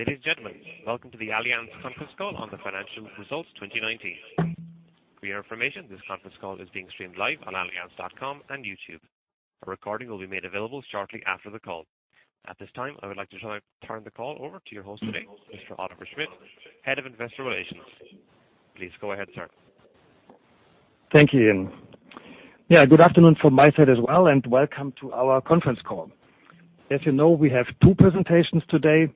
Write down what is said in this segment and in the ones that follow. Ladies and gentlemen, welcome to the Allianz conference call on the financial results 2019. For your information, this conference call is being streamed live on allianz.com and YouTube. A recording will be made available shortly after the call. At this time, I would like to turn the call over to your host today, Mr. Oliver Schmidt, Head of Investor Relations. Please go ahead, sir. Thank you, Ian. Yeah, good afternoon from my side as well, and welcome to our conference call. As you know, we have two presentations today,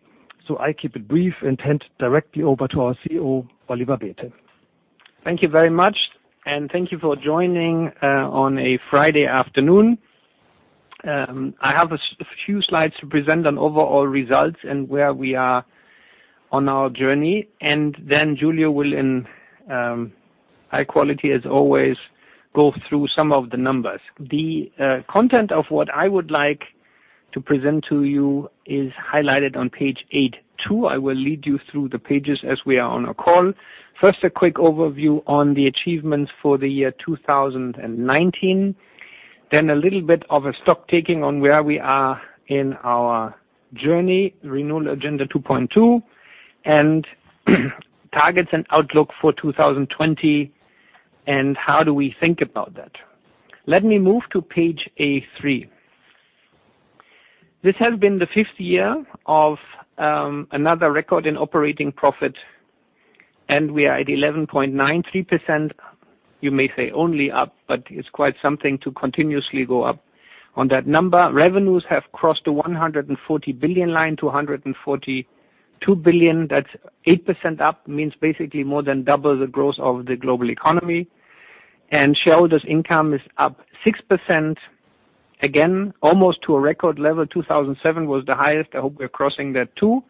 so I'll keep it brief and hand directly over to our CEO, Oliver Bäte. Thank you very much, and thank you for joining on a Friday afternoon. I have a few slides to present on overall results and where we are on our journey. Then Giulio will, in high quality as always, go through some of the numbers. The content of what I would like to present to you is highlighted on page A2. I will lead you through the pages as we are on a call. First, a quick overview on the achievements for the year 2019, then a little bit of a stocktaking on where we are in our journey, Renewal Agenda 2.0, and targets and outlook for 2020, and how do we think about that. Let me move to page A3. This has been the fifth year of another record in operating profit, and we are at 11.93%. You may say only up, but it's quite something to continuously go up on that number. Revenues have crossed the 140 billion line to 142 billion. That's 8% up, means basically more than double the growth of the global economy. Shareholders' income is up 6%, again, almost to a record level. 2007 was the highest. I hope we're crossing that, too.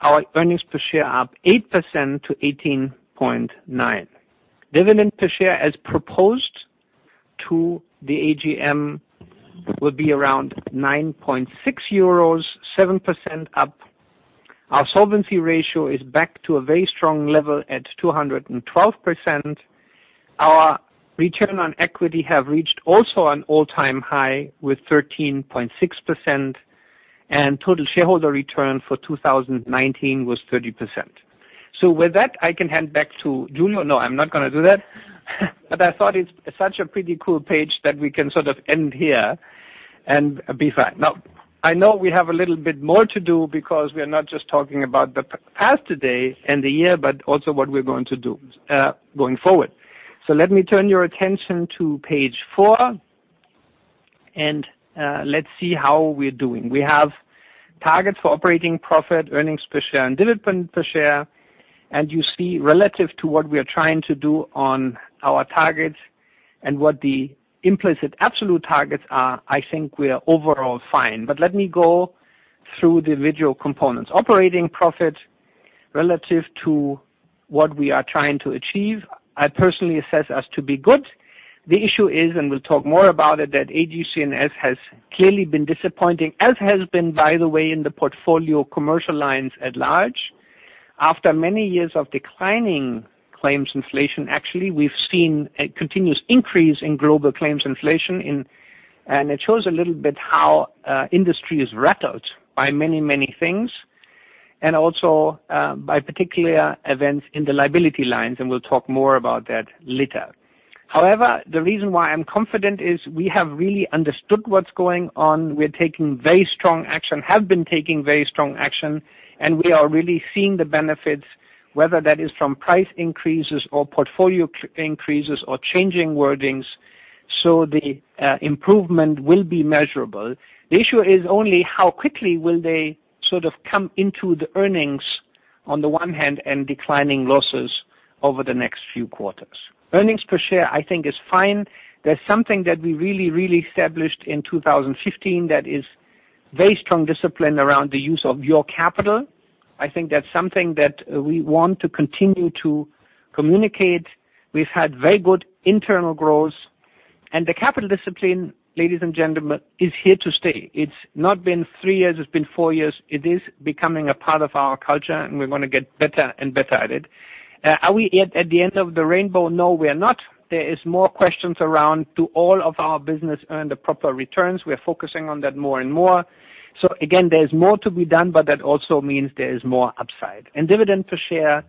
Our earnings per share are up 8% to 18.9. Dividend per share as proposed to the AGM will be around 9.6 euros, 7% up. Our solvency ratio is back to a very strong level at 212%. Our return on equity has also reached an all-time high with 13.6%, and total shareholder return for 2019 was 30%. With that, I can hand back to Giulio. No, I'm not going to do that. I thought it's such a pretty cool page that we can sort of end here and be fine. I know we have a little bit more to do because we are not just talking about the past today and the year but also what we're going to do going forward. Let me turn your attention to page four, and let's see how we're doing. We have targets for operating profit, earnings per share, and dividend per share. You see, relative to what we are trying to do on our targets and what the implicit absolute targets are, I think we are overall fine. Let me go through the individual components. Operating profit relative to what we are trying to achieve, I personally assess us to be good. The issue is, and we'll talk more about it, that AGCS has clearly been disappointing, as has been, by the way, in the portfolio commercial lines at large. After many years of declining claims inflation, actually, we've seen a continuous increase in global claims inflation. It shows a little bit how industry is rattled by many things and also by particular events in the liability lines, and we'll talk more about that later. However, the reason why I'm confident is that we have really understood what's going on. We're taking very strong action and have been taking very strong action, and we are really seeing the benefits, whether that is from price increases or portfolio increases or changing wordings, so the improvement will be measurable. The issue is only how quickly they will sort of come into the earnings on the one hand and declining losses over the next few quarters. Earnings per share, I think, is fine. There's something that we really established in 2015 that is very strong discipline around the use of your capital. I think that's something that we want to continue to communicate. We've had very good internal growth. The capital discipline, ladies and gentlemen, is here to stay. It's not been three years; it's been four years. It is becoming a part of our culture, and we want to get better and better at it. Are we at the end of the rainbow? No, we are not. There are more questions around. Does all of our business earn the proper returns? We are focusing on that more and more. Again, there is more to be done, but that also means there is more upside. Dividend per share: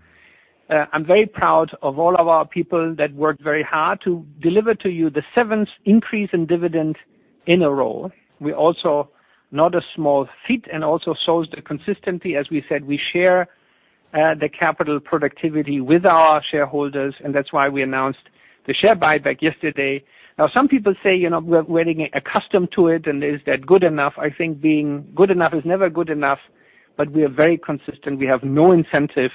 I'm very proud of all of our people that worked very hard to deliver to you the seventh increase in dividend in a row. We also, not a small feat, show the consistency. We said we share the capital productivity with our shareholders; that's why we announced the share buyback yesterday. Now, some people say we're getting accustomed to it, is that good enough? I think being good enough is never good enough, but we are very consistent. We have no incentive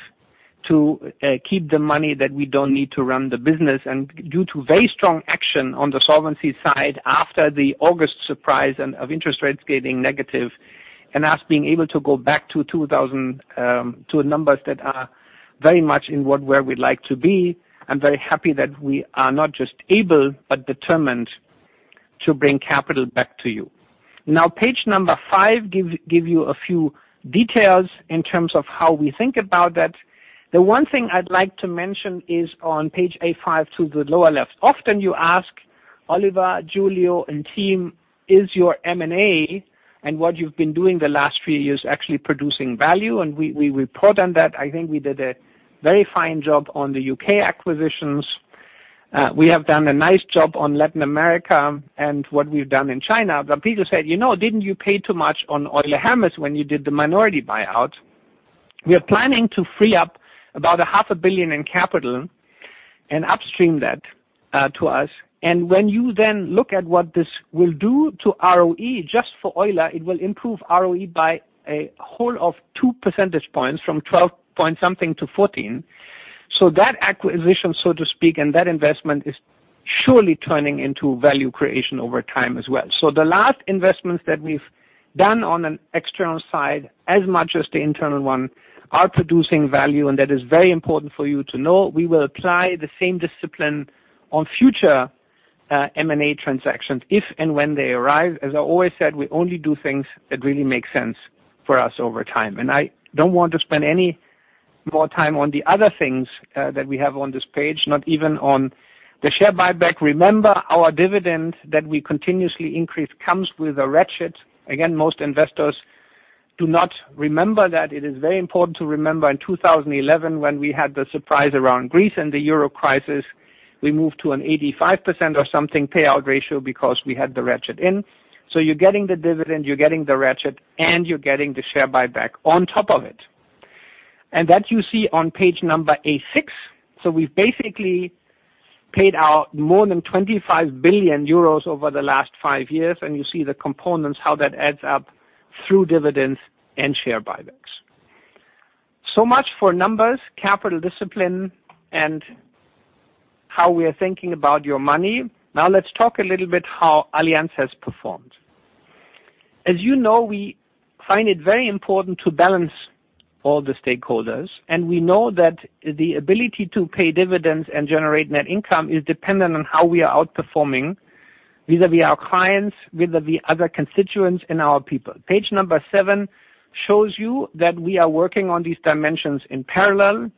to keep the money that we don't need to run the business. Due to very strong action on the solvency side after the August surprise of interest rates getting negative, we are being able to go back to numbers that are very much where we'd like to be. I'm very happy that we are not just able but determined to bring capital back to you. Page number five gives you a few details in terms of how we think about that. The one thing I'd like to mention is on page A5 to the lower left. Often you ask Oliver, Giulio, and team, is your M&A and what you've been doing the last few years actually producing value? We report on that. I think we did a very fine job on the U.K. acquisitions. We have done a nice job on Latin America and what we've done in China. People said, Didn't you pay too much on Euler Hermes when you did the minority buyout? We are planning to free up about a half a billion in capital and upstream that to us. When you then look at what this will do to ROE, just for Euler, it will improve ROE by a whole of 2 percentage points from 12 point something to 14. That acquisition, so to speak, and that investment is surely turning into value creation over time as well. The last investments that we've done on an external side, as well as the internal one, are producing value, and that is very important for you to know. We will apply the same discipline on future M&A transactions if and when they arrive. As I always said, we only do things that really make sense for us over time. I don't want to spend any more time on the other things that we have on this page, not even on the share buyback. Remember, our dividend that we continuously increase comes with a ratchet. Again, most investors do not remember that. It is very important to remember in 2011, when we had the surprise around Greece and the Euro crisis, we moved to an 85% or something payout ratio because we had the ratchet in. You're getting the dividend, you're getting the ratchet, and you're getting the share buyback on top of it. That you see on page number 86. We've basically paid out more than €25 billion over the last five years, and you see the components, how that adds up through dividends and share buybacks. Much for numbers, capital discipline, and how we are thinking about your money. Let's talk a little bit about how Allianz has performed. As you know, we find it very important to balance all the stakeholders. We know that the ability to pay dividends and generate net income is dependent on how we are outperforming vis-à-vis our clients, vis-à-vis other constituents, and vis-à-vis our people. Page number seven shows you that we are working on these dimensions in parallel.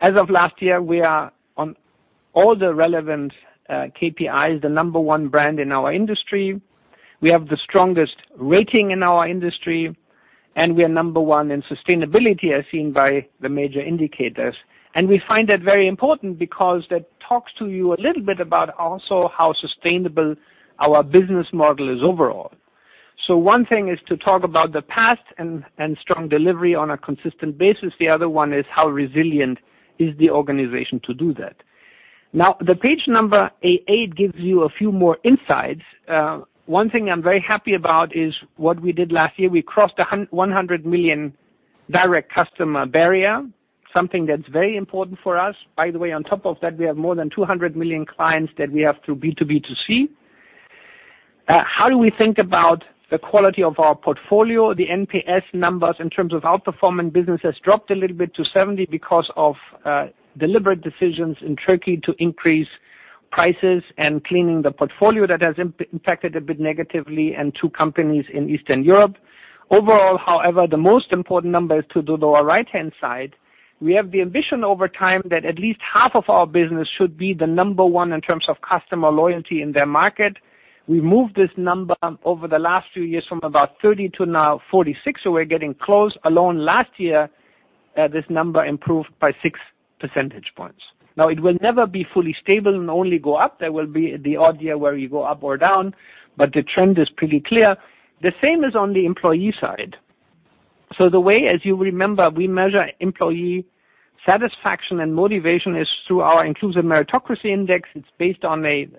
As of last year, we are on all the relevant KPIs and the number one brand in our industry. We have the strongest rating in our industry. We are number one in sustainability, as seen by the major indicators. We find that very important because that talks to you a little bit about also how sustainable our business model is overall. One thing is to talk about the past and strong delivery on a consistent basis. The other one is how resilient the organization is to do that. Now, page number 88 gives you a few more insights. One thing I'm very happy about is what we did last year. We crossed the 100 million direct customer barrier, something that's very important for us. By the way, on top of that, we have more than 200 million clients that we have through B2B2C. How do we think about the quality of our portfolio? The NPS numbers in terms of outperforming business have dropped a little bit to 70 because of deliberate decisions in Turkey to increase prices and clean the portfolio, which has impacted a bit negatively, and two companies in Eastern Europe. Overall, however, the most important number is on the lower right-hand side. We have the ambition over time that at least half of our business should be number one in terms of customer loyalty in their market. We moved this number over the last few years from about 30 to now 46, so we're getting close. Alone last year, this number improved by six percentage points. It will never be fully stable and only go up. There will be the odd year where you go up or down, but the trend is pretty clear. The same is on the employee side. The way, as you remember, we measure employee satisfaction and motivation is through our Inclusive Meritocracy Index. It's based on an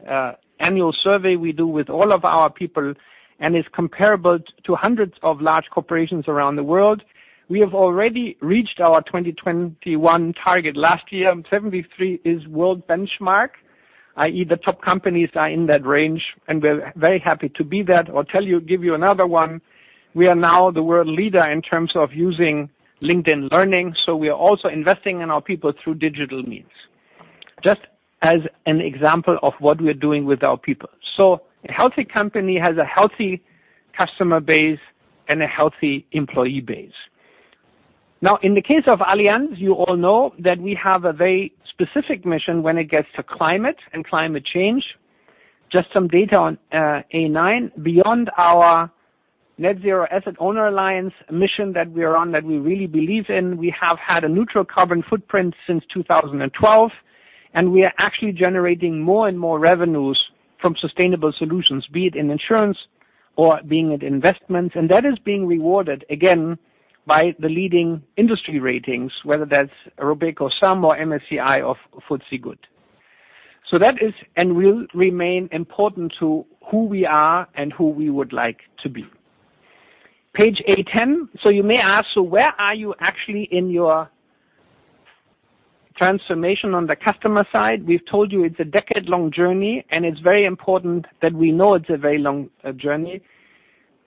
annual survey we do with all of our people and is comparable to hundreds of large corporations around the world. We already reached our 2021 target last year. 73 is the world benchmark, i.e. the top companies are in that range, and we're very happy to be that. I'll give you another one. We are now the world leader in terms of using LinkedIn Learning. We are also investing in our people through digital means. Just as an example of what we're doing with our people. A healthy company has a healthy customer base and a healthy employee base. Now, in the case of Allianz, you all know that we have a very specific mission when it comes to climate and climate change. Just some data on 89. Beyond our Net-Zero Asset Owner Alliance mission that we are on, which we really believe in, we have had a neutral carbon footprint since 2012, and we are actually generating more and more revenues from sustainable solutions, be they in insurance or be they investments. That is being rewarded, again, by the leading industry ratings, whether that's RobecoSAM or MSCI or FTSE4Good. That is and will remain important to who we are and who we would like to be. Page 810. You may ask, so where are you actually in your transformation on the customer side? We've told you it's a decade-long journey, and it's very important that we know it's a very long journey.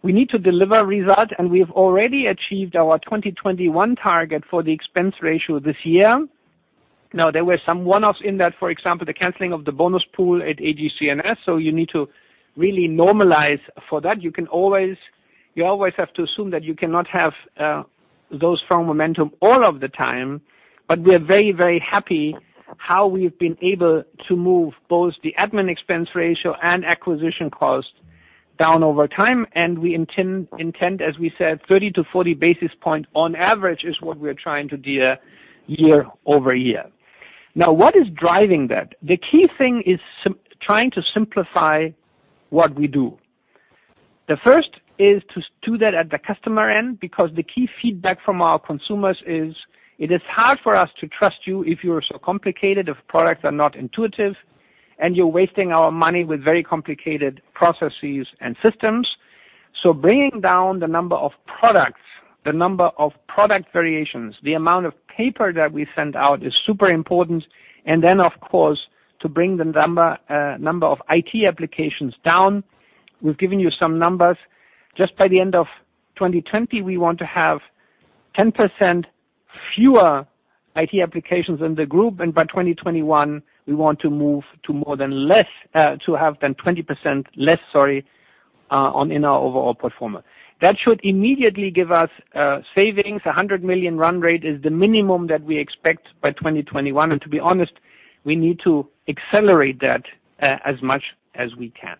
We need to deliver results, and we have already achieved our 2021 target for the expense ratio this year. Now, there were some one-offs in that, for example, the canceling of the bonus pool at AGCS. You need to really normalize for that. You always have to assume that you cannot have those strong momentum all of the time, but we are very, very happy with how we've been able to move both the admin expense ratio and acquisition cost down over time, and we intend, as we said, 30-40 basis points on average is what we're trying to do year over year. Now, what is driving that? The key thing is trying to simplify what we do. The first is to do that at the customer end, because the key feedback from our consumers is, It is hard for us to trust you if you are so complicated, if products are not intuitive, and if you're wasting our money with very complicated processes and systems. Bringing down the number of products, the number of product variations, and the amount of paper that we send out is super important. Then, of course, to bring the number of IT applications down. We've given you some numbers. Just by the end of 2020, we want to have 10% fewer IT applications in the group, and by 2021, we want to move to have 20% less, sorry, in our overall performance. That should immediately give us savings. 100 million run rate is the minimum that we expect by 2021. To be honest, we need to accelerate that as much as we can.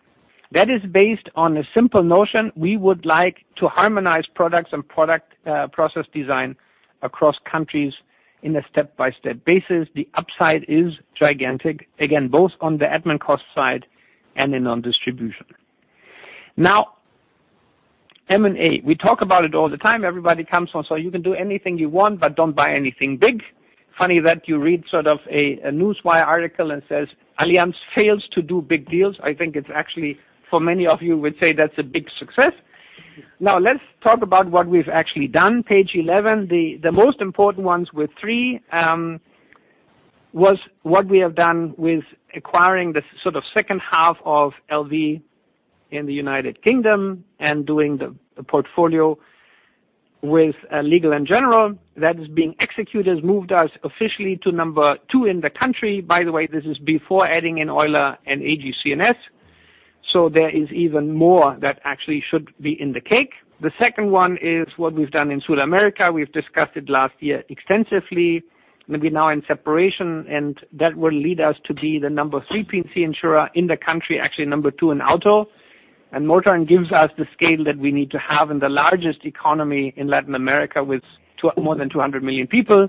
That is based on a simple notion. We would like to harmonize products and product process design across countries on a step-by-step basis. The upside is gigantic, again, both on the admin cost side and in distribution. M&A. Everybody comes and say, You can do anything you want, but don't buy anything big. Funny that you read sort of a Newswire article that says, Allianz fails to do big deals." I think it's actually, for many of you, a big success. Let's talk about what we've actually done. Page 11. The most important ones were three: what we have done with acquiring the sort of second half of LV= in the U.K. and doing the portfolio with Legal & General. That is being executed and moved us officially to number two in the country. This is before adding in Euler and AGCS. There is even more that actually should be in the cake. The second one is what we've done in SulAmérica. We've discussed it last year extensively. We're now in separation, which will lead us to be the number 3 P&C insurer in the country, actually number two in auto. SulAmérica gives us the scale that we need to have in the largest economy in Latin America with more than 200 million people.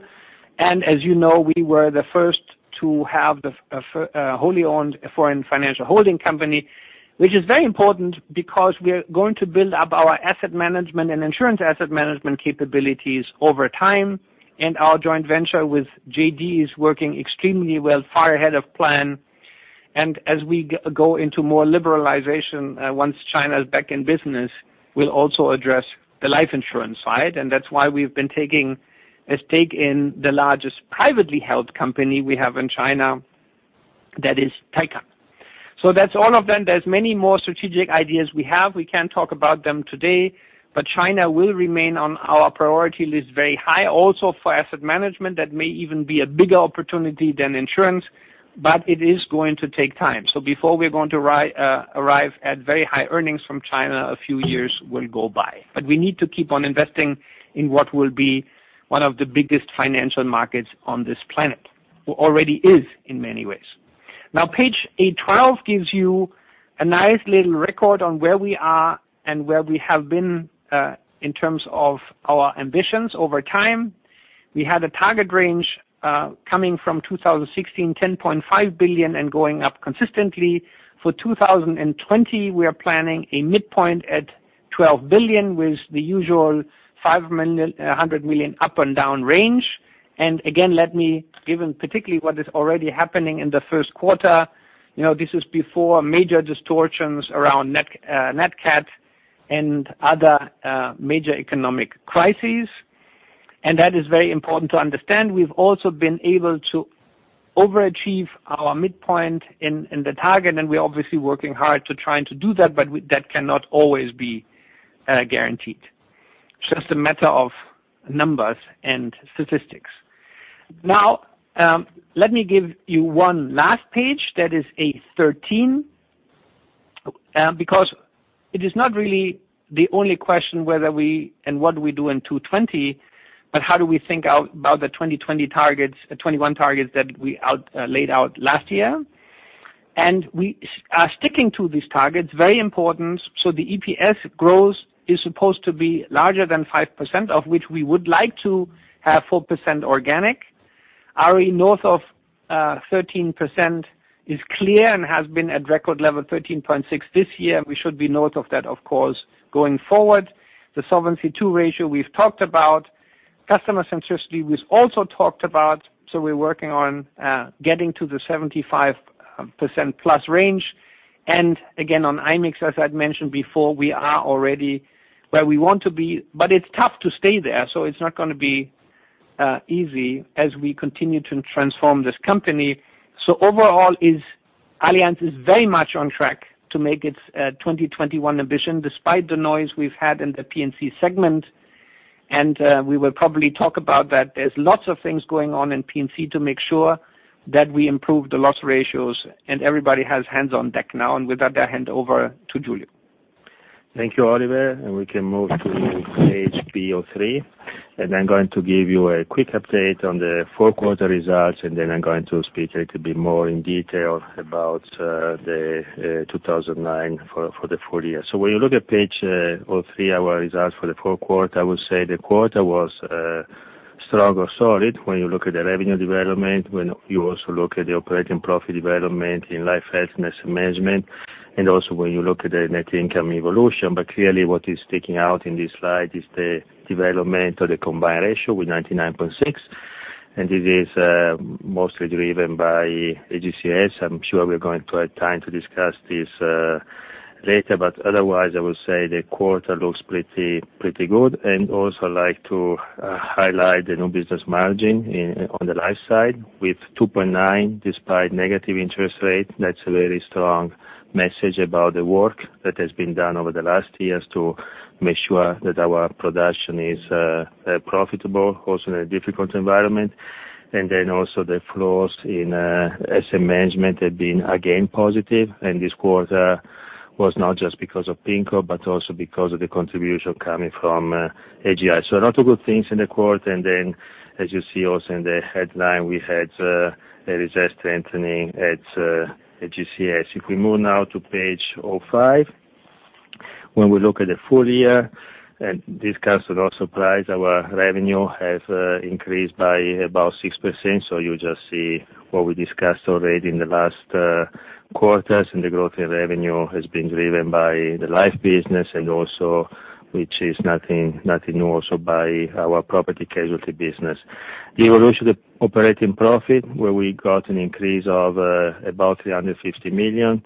As you know, we were the first to have the wholly owned foreign financial holding company. Which is very important because we're going to build up our asset management and insurance asset management capabilities over time. Our joint venture with JD is working extremely well, far ahead of plan. As we go into more liberalization, once China is back in business, we'll also address the life insurance side. That's why we've been taking a stake in the largest privately held company we have in China, which is Taikang. That's all of them. There are many more strategic ideas we have. We can't talk about them today, but China will remain on our priority list very high. Also for asset management, that may even be a bigger opportunity than insurance, but it is going to take time. Before we're going to arrive at very high earnings from China, a few years will go by. We need to keep on investing in what will be one of the biggest financial markets on this planet. Already is, in many ways. Now, page 812 gives you a nice little record on where we are and where we have been in terms of our ambitions over time. We had a target range, coming from 2016, of 10.5 billion and going up consistently. For 2020, we are planning a midpoint at 12 billion with the usual 500 million up and down range. Again, let me, given particularly what is already happening in the first quarter; this is before major distortions around NatCat and other major economic crises. That is very important to understand. We've also been able to overachieve our midpoint and the target; we're obviously working hard to try to do that, but it cannot always be guaranteed. It's just a matter of numbers and statistics. Let me give you one last page. That is 813. It is not really the only question: what do we do in 2020, how do we think about the 2021 targets that we laid out last year? We are sticking to these targets, which is very important. The EPS growth is supposed to be larger than 5%, of which we would like to have 4% organically. ROE north of 13% is clear and has been at a record level of 13.6 this year. We should be north of that, of course, going forward. The Solvency II ratio we've talked about. Customer sensitivity we've also talked about. We're working on getting to the 75% plus range. Again, on IMIX, as I'd mentioned before, we are already where we want to be. It's tough to stay there, so it's not going to be easy as we continue to transform this company. Overall, Allianz is very much on track to make its 2021 ambition, despite the noise we've had in the P&C segment. We will probably talk about that. There are lots of things going on in P&C to make sure that we improve the loss ratios, and everybody has hands on deck now. With that, I hand over to Giulio. Thank you, Oliver. We can move to page three. I'm going to give you a quick update on the fourth quarter results. I'm going to speak a little bit more in detail about 2019 for the full year. When you look at page three, our results for the full quarter, I would say the quarter was strong or solid when you look at the revenue development, when you also look at the operating profit development in life, health, and asset management, and when you look at the net income evolution. Clearly what is sticking out in this slide is the development of the combined ratio at 99.6. It is mostly driven by AGCS. I'm sure we're going to have time to discuss this later. Otherwise, I would say the quarter looks pretty good. Also, I'd like to highlight the new business margin on the life side with 2.9%, despite the negative interest rate. That's a very strong message about the work that has been done over the last years to make sure that our production is profitable, also in a difficult environment. Then also the flows in asset management have been positive again. This quarter was not just because of PIMCO, but also because of the contribution coming from AGI. A lot of good things in the quarter. Then as you see also in the headline, we had a reserve strengthening at AGCS. If we move now to page five, when we look at the full year, this comes at no surprise; our revenue has increased by about 6%. You just see what we discussed already in the last quarters, and the growth in revenue has been driven by the life business and also, which is nothing new, by our property and casualty business. The evolution of operating profit, where we got an increase of about 350 million,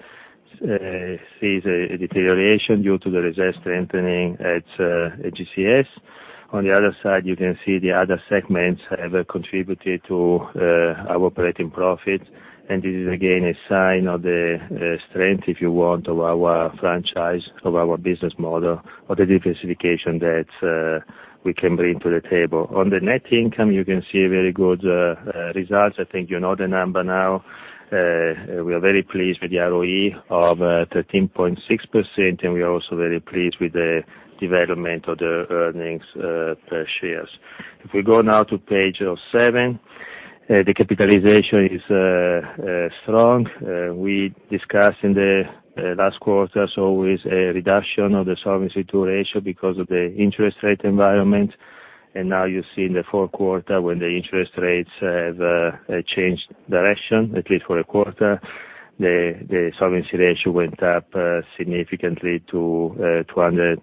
sees a deterioration due to the reserve strengthening at AGCS. On the other side, you can see the other segments have contributed to our operating profit. This is again a sign of the strength, if you want, of our franchise, of our business model, of the diversification that we can bring to the table. On the net income, you can see very good results. I think you know the number now. We are very pleased with the ROE of 13.6%, and we are also very pleased with the development of the earnings per share. If we go now to page seven, the capitalization is strong. We discussed in the last quarter, as always, a reduction of the Solvency II ratio because of the interest rate environment. Now you see in the fourth quarter, when the interest rates have changed direction, at least for a quarter, the solvency ratio went up significantly to 212%;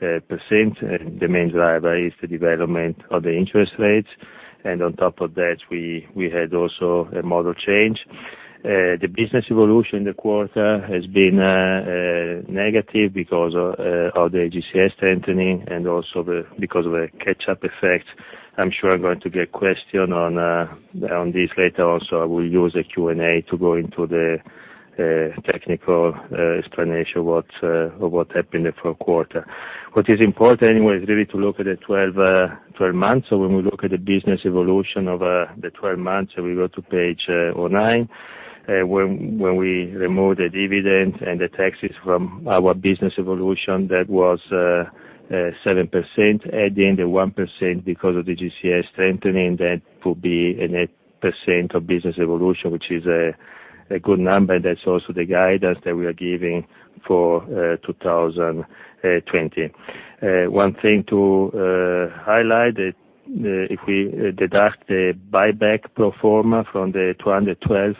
the main driver is the development of the interest rates. On top of that, we also had a model change. The business evolution in the quarter has been negative because of the AGCS strengthening and also because of a catch-up effect. I'm sure I'm going to get questioned on this later also. I will use the Q&A to go into the technical explanation of what happened in the fourth quarter. What is important anyway is really to look at the 12 months. When we look at the business evolution over the 12 months, we go to page nine, when we remove the dividend and the taxes from our business evolution, that was 7%. Adding the 1% because of the AGCS strengthening, that would be a net percent of business evolution, which is a good number. That's also the guidance that we are giving for 2020. One thing to highlight: if we deduct the buyback pro forma from the 212%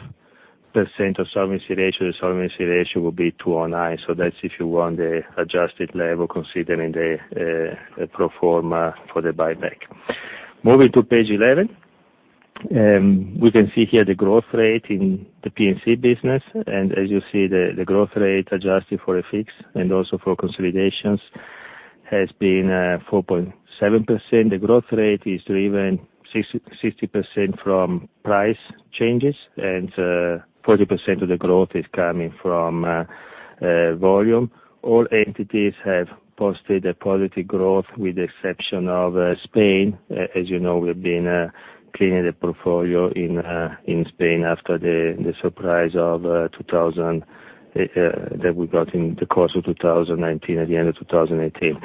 solvency ratio, the solvency ratio will be 209%. That's if you want the adjusted level considering the pro forma for the buyback. Moving to page 11. We can see here the growth rate in the P&C business. As you see, the growth rate adjusted for FX and also for consolidations has been 4.7%. The growth rate is driven 60% from price changes, and 40% of the growth is coming from volume. All entities have posted a positive growth with the exception of Spain. As you know, we've been cleaning the portfolio in Spain after the surprise that we got in the course of 2019 at the end of 2018.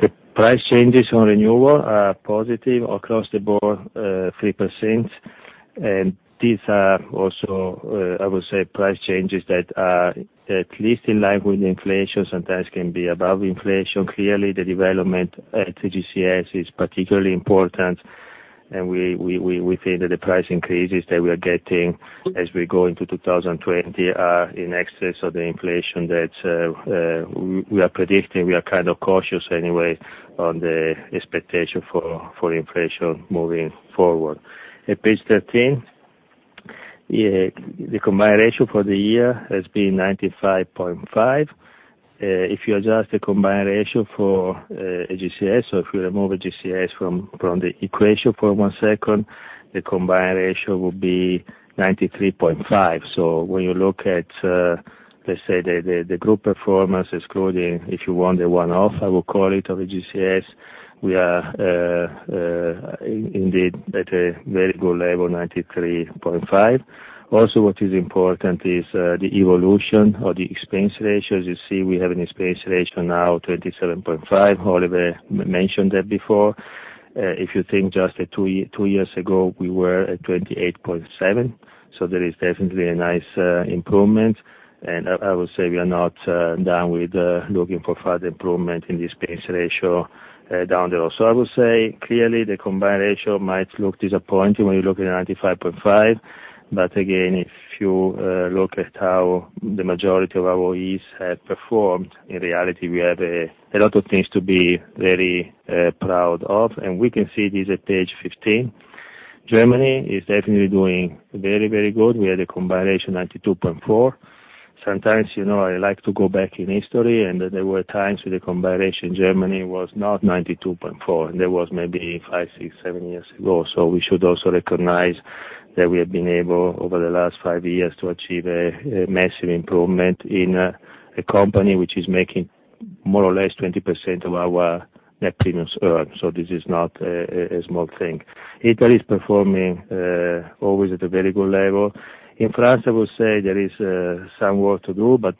The price changes on renewal are positive across the board: 3%. These are also, I would say, price changes that are at least in line with inflation; sometimes they can be above inflation. The development at AGCS is particularly important, and we think that the price increases that we are getting as we go into 2020 are in excess of the inflation that we are predicting. We are kind of cautious anyway about the expectation for inflation moving forward. At page 13. The combined ratio for the year has been 95.5%. If you adjust the combined ratio for AGCS, if you remove AGCS from the equation for one second, the combined ratio will be 93.5%. When you look at, let's say, the group performance excluding, if you want, the one-off, I will call it, of AGCS, we are indeed at a very good level, 93.5%. Also, what is important is the evolution of the expense ratio. As you see, we have an expense ratio now of 27.5%. Oliver mentioned that before. If you think just two years ago, we were at 28.7%, there is definitely a nice improvement. I will say we are not done with looking for further improvement in the expense ratio down the road. I will say clearly the combined ratio might look disappointing when you look at 95.5%. Again, if you look at how the majority of our OEs have performed, in reality, we have a lot of things to be very proud of, and we can see this on page 15. Germany is definitely doing very, very well. We had a combined ratio of 92.4. Sometimes, I like to go back in history, and there were times where the combined ratio in Germany was not 92.4, and that was maybe five, six, seven years ago. We should also recognize that we have been able, over the last five years, to achieve a massive improvement in a company that is making more or less 20% of our net premiums earned. This is not a small thing. Italy is always performing at a very good level. In France, I will say there is some work to do, but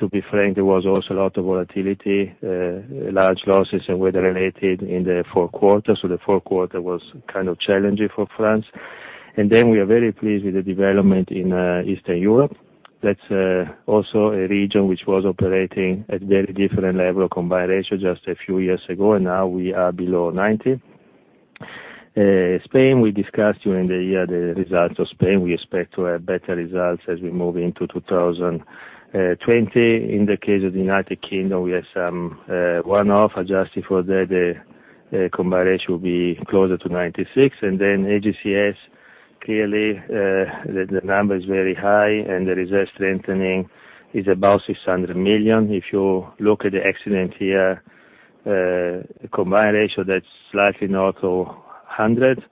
to be frank, there was also a lot of volatility, large losses, and weather-related issues in the fourth quarter. The fourth quarter was kind of challenging for France. We are very pleased with the development in Eastern Europe. That's also a region that was operating at a very different level of combined ratio just a few years ago, and now we are below 90. Spain: we discussed during the year the results of Spain. We expect to have better results as we move into 2020. In the case of the U.K., we have some one-offs. Adjusting for that, the combined ratio will be closer to 96. AGCS, clearly, the number is very high, and the reserve strengthening is about 600 million. If you look at the accident-year combined ratio, that's slightly north of 100.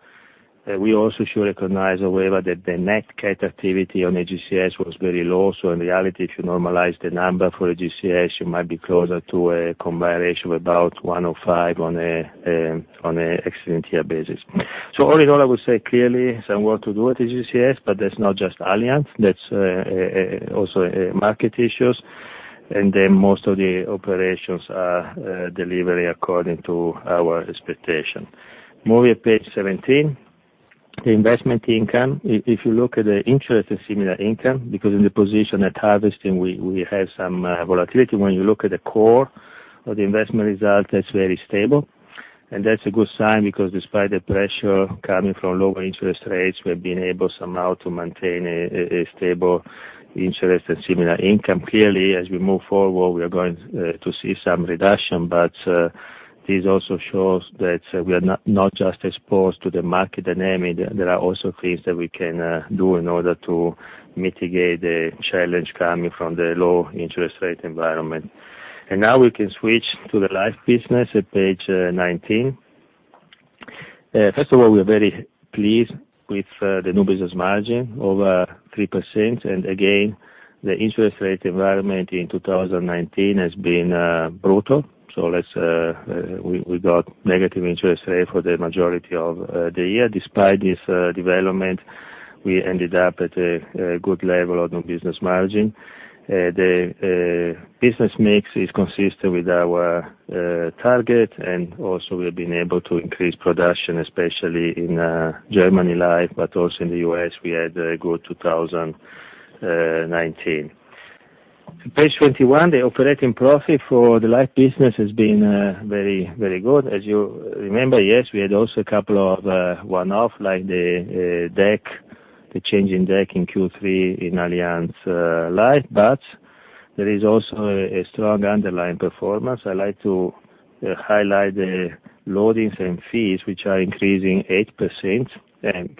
We also should recognize, however, that the NatCat activity on AGCS was very low. In reality, if you normalize the number for AGCS, you might be closer to a combined ratio of about 105 on an accident year basis. All in all, I would say clearly there is some work to do at AGCS, but that's not just Allianz; those are also market issues. Most of the operations are delivered according to our expectation. Moving at page 17. Investment income. If you look at the interest in similar income, because in the position at harvesting, we have some volatility. When you look at the core of the investment result, that's very stable. That's a good sign because despite the pressure coming from lower interest rates, we've been able somehow to maintain a stable interest and similar income. Clearly, as we move forward, we are going to see some reduction. This also shows that we are not just exposed to the market dynamic. There are also things that we can do in order to mitigate the challenge coming from the low interest rate environment. Now we can switch to the life business at page 19. First of all, we are very pleased with the new business margin, over 3%. Again, the interest rate environment in 2019 has been brutal. We got a negative interest rate for the majority of the year. Despite this development, we ended up at a good level of new business margin. The business mix is consistent with our target, and also we've been able to increase production, especially in Germany Life, but also in the U.S., we had a good 2019. Page 21, the operating profit for the life business has been very, very good. As you remember, yes, we had also a couple of one-offs, like the change in DAC in Q3 in Allianz Life. There is also a strong underlying performance. I'd like to highlight the loadings and fees, which are increasing 8%.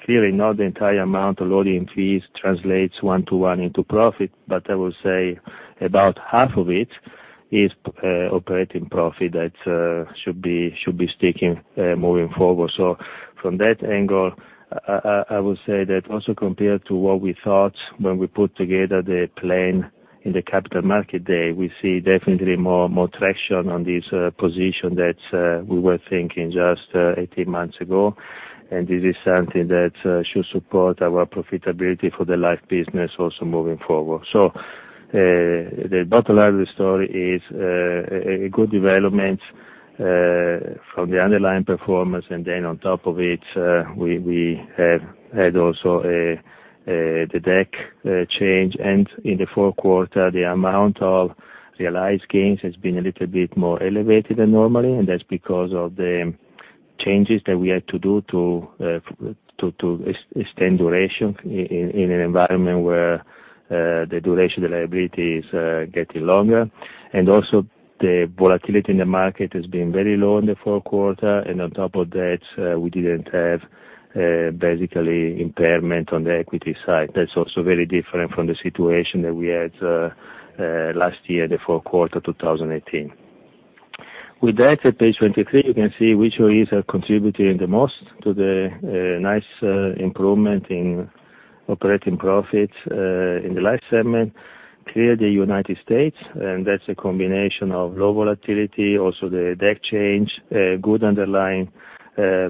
Clearly not the entire amount of loading fees translates one-to-one into profit. I will say about half of it is operating profit that should be sticking moving forward. From that angle, I would say that also compared to what we thought when we put together the plan on capital market day, we see definitely more traction on this position than we were thinking just 18 months ago. This is something that should support our profitability for the life of the business also moving forward. The bottom line of the story is a good development from the underlying performance, and then on top of it, we had also the DAC change. In the fourth quarter, the amount of realized gains has been a little bit more elevated than normally, and that's because of the changes that we had to do to extend duration in an environment where the duration of the liability is getting longer. Also, the volatility in the market has been very low in the fourth quarter. On top of that, we didn't have basically any impairment on the equity side. That's also very different from the situation that we had last year, in the fourth quarter of 2018. With that, at page 23, you can see which areas are contributing the most to the nice improvement in operating profit in the Life segment. Clearly, United States, and that's a combination of low volatility, also the DAC change, and good underlying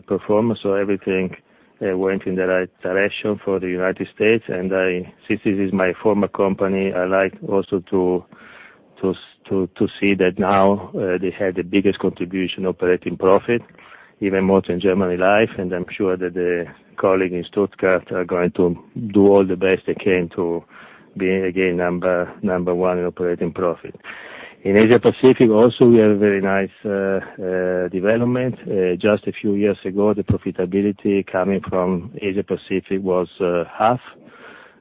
performance. Everything went in the right direction for the United States. Since this is my former company, I also like to see that now they have the biggest contribution to operating profit, even more than Germany Life. I'm sure that the colleagues in Stuttgart are going to do all the best they can to be again number one in operating profit. In the Asia Pacific also, we have very nice development. Just a few years ago, the profitability coming from Asia Pacific was half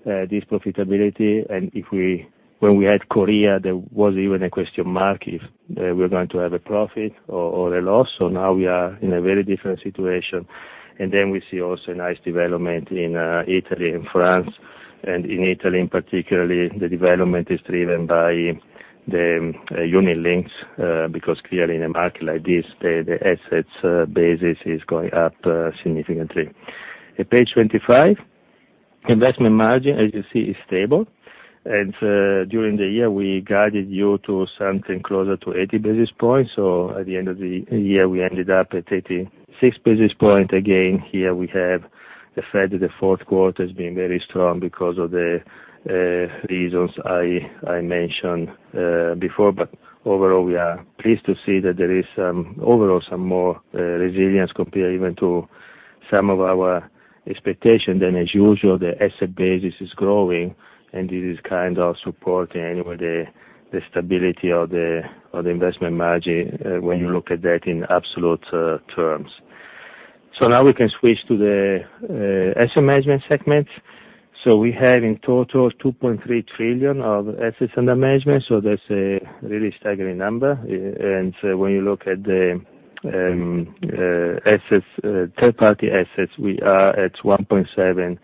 this profitability. When we had Korea, there was even a question mark if we were going to have a profit or a loss. Now we are in a very different situation. We see also nice development in Italy and France. In Italy in particular, the development is driven by the unit links, because clearly in a market like this, the asset basis is going up significantly. At page 25, investment margin, as you see, is stable. During the year, we guided you to something closer to 80 basis points. At the end of the year, we ended up at 36 basis points. Again, here we have the fact that the fourth quarter has been very strong because of the reasons I mentioned before. Overall, we are pleased to see that there is overall some more resilience compared even to some of our expectations. As usual, the asset basis is growing; this is supporting, anyway, the stability of the investment margin when you look at that in absolute terms. Now we can switch to the asset management segment. We have, in total, 2.3 trillion of assets under management. That's a really staggering number. When you look at the third-party assets, we are at 1.7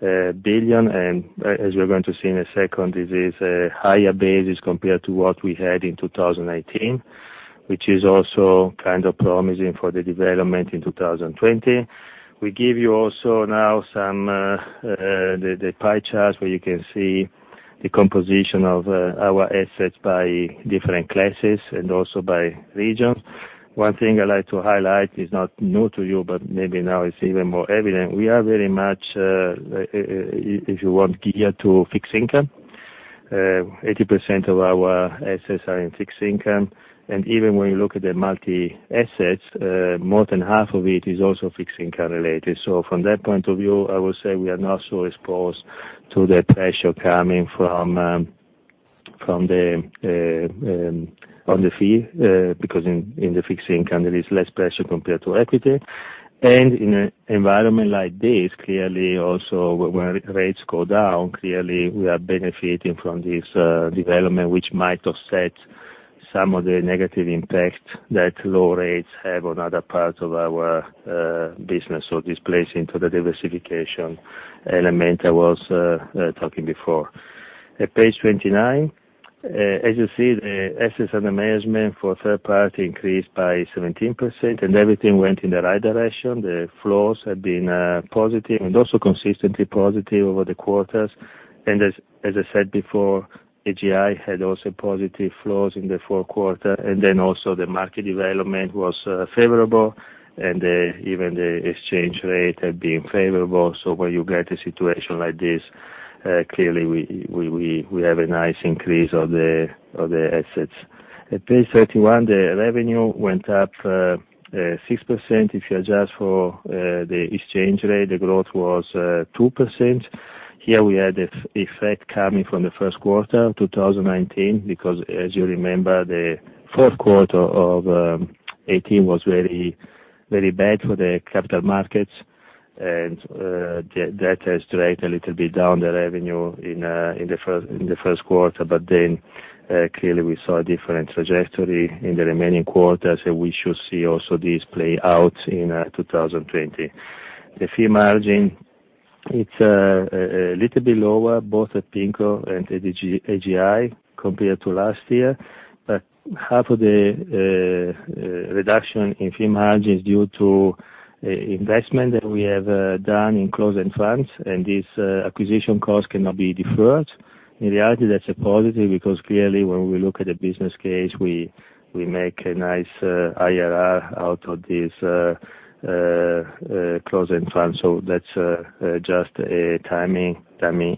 billion. As we are going to see in a second, this is a higher basis compared to what we had in 2019, which is also promising for the development in 2020. We also give you now the pie charts where you can see the composition of our assets by different classes and also by region. One thing I'd like to highlight is not new to you, but maybe now it's even more evident. We are very much, if you want, geared to fixed income. 80% of our assets are in fixed income. Even when you look at the multi-assets, more than half of them are also fixed-income related. From that point of view, I would say we are not so exposed to the pressure coming on the fee, because in fixed income, there is less pressure compared to equity. In an environment like this, clearly also where rates go down, clearly we are benefiting from this development, which might offset some of the negative impact that low rates have on other parts of our business. This plays into the diversification element I was talking about before. At page 29, as you see, the assets under management for third parties increased by 17%. Everything went in the right direction. The flows have been positive and also consistently positive over the quarters. As I said before, AGI had also positive flows in the fourth quarter. Also the market development was favorable, and even the exchange rate had been favorable. Where you get a situation like this, clearly we have a nice increase of the assets. At page 31, the revenue went up 6%. If you adjust for the exchange rate, the growth was 2%. Here we had the effect coming from the first quarter of 2019, because as you remember, the fourth quarter of 2018 was very bad for the capital markets. That has dragged a little bit down the revenue in the first quarter. Clearly we saw a different trajectory in the remaining quarters, and we should see also this play out in 2020. The fee margin is a little bit lower, both at PIMCO and AGI compared to last year. Half of the reduction in fee margin is due to investment that we have done in closed-end funds, and this acquisition cost cannot be deferred. In reality, that's a positive because clearly when we look at the business case, we make a nice IRR out of this closed-end fund. That's just a timing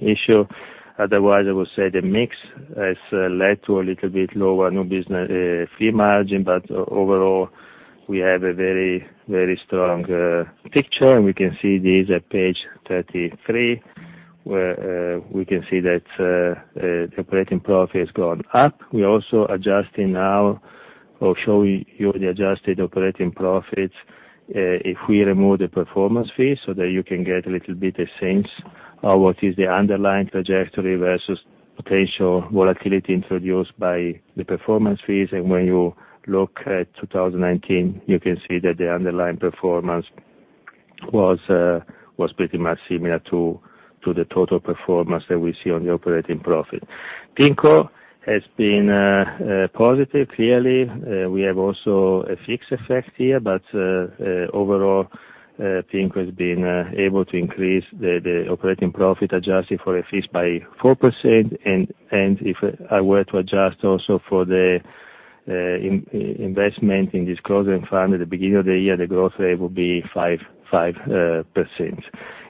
issue. Otherwise, I would say the mix has led to a little bit lower new business fee margin. Overall, we have a very strong picture, and we can see this at page 33, where we can see that the operating profit has gone up. We're also adjusting now or showing you the adjusted operating profits if we remove the performance fee so that you can get a little bit a sense of what is the underlying trajectory is versus potential volatility introduced by the performance fees. When you look at 2019, you can see that the underlying performance was pretty much similar to the total performance that we see on the operating profit. PIMCO has been positive. Clearly, we have also a fixed effect here, but overall, PIMCO has been able to increase the operating profit adjusted for fees by 4%. If I were to adjust also for the investment in this closing fund at the beginning of the year, the growth rate would be 5%.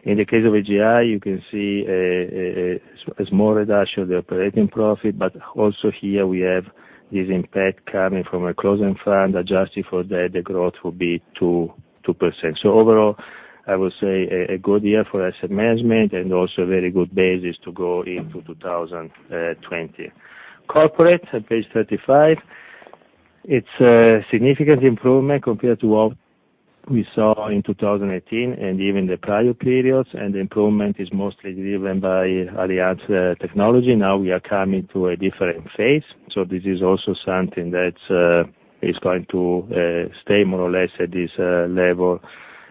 In the case of AGI, you can see a small reduction of the operating profit. Also here we have this impact coming from a closing fund. Adjusted for that, the growth will be 2%. Overall, I would say a good year for asset management and also a very good basis to go into 2020. Corporate at page 35. It's a significant improvement compared to what we saw in 2018 and even the prior periods. The improvement is mostly driven by Allianz Technology. Now we are coming to a different phase. This is also something that is going to stay more or less at this level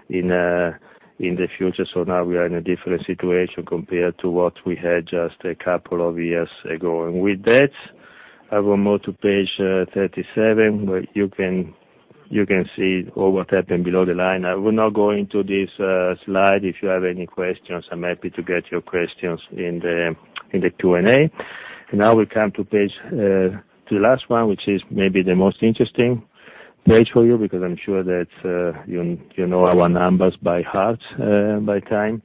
in the future. Now we are in a different situation compared to what we had just a couple of years ago. With that, I will move to page 37, where you can see all that happened below the line. I will not go into this slide. If you have any questions, I'm happy to get your questions in the Q&A. Now we come to the last one, which is maybe the most interesting page for you, because I'm sure that you know our numbers by heart, by time.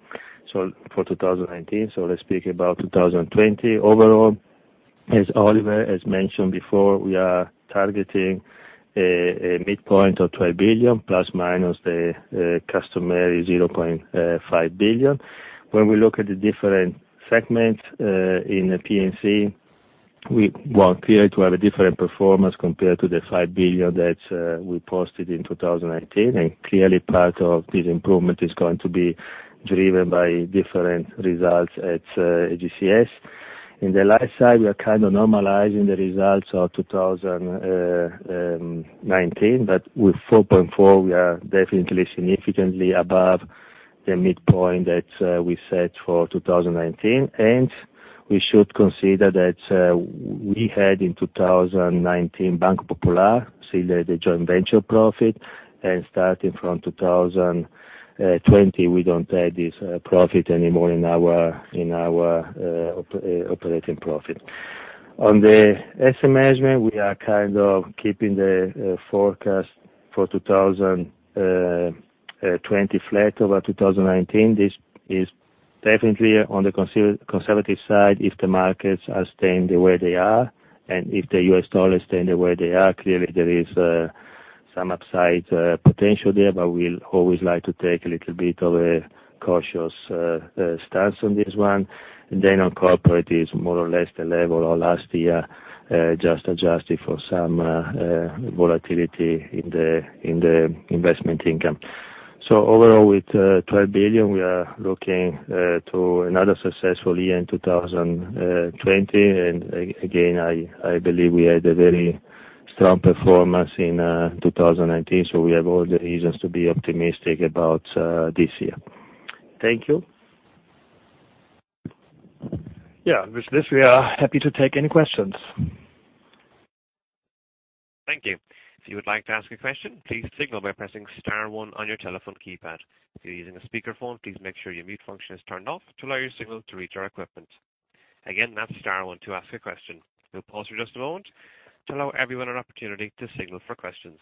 For 2019, let's speak about 2020. Overall, as Oliver has mentioned before, we are targeting a midpoint of 12 billion± the customary 0.5 billion. When we look at the different segments, in P&C, we appear to have a different performance compared to the 5 billion that we posted in 2019. Clearly part of this improvement is going to be driven by different results at AGCS. On the left side, we are kind of normalizing the results of 2019, but with 4.4 billion, we are definitely significantly above the midpoint that we set for 2019. We should consider what we had in 2019, Banco Popular, the joint venture profit, and starting from 2020, we don't have this profit anymore in our operating profit. In asset management, we are kind of keeping the forecast for 2020 flat over 2019. This is definitely on the conservative side if the markets are staying the way they are and if the U.S. dollars stay the way they are. There is some upside potential there, but we'll always like to take a little bit of a cautious stance on this one. On the corporate side, it's more or less the level of last year, just adjusted for some volatility in the investment income. Overall, with 12 billion, we are looking to another successful year in 2020. I believe we had a very strong performance in 2019. We have all the reasons to be optimistic about this year. Thank you. With this, we are happy to take any questions. Thank you. If you would like to ask a question, please signal by pressing star one on your telephone keypad. If you're using a speakerphone, please make sure your mute function is turned off to allow your signal to reach our equipment. Again, that's star one to ask a question. We'll pause for just a moment to allow everyone an opportunity to signal for questions.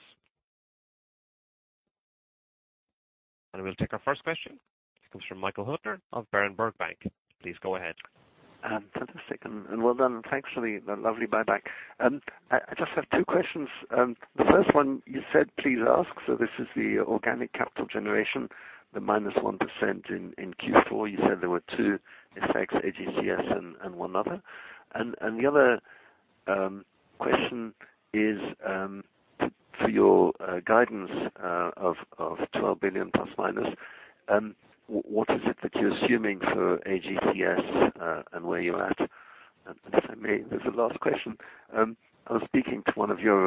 We'll take our first question. It comes from Michael Huttner of Berenberg Bank. Please go ahead. Fantastic, well done, and thanks for the lovely buyback. I just have two questions. The first one you said to ask about is the organic capital generation, the -1% in Q4. You said there were two effects, AGCS and one other. The other question is for your guidance of 12 billion ± what is it that you're assuming for AGCS, and where are you at? If I may, there's a last question. I was speaking to one of your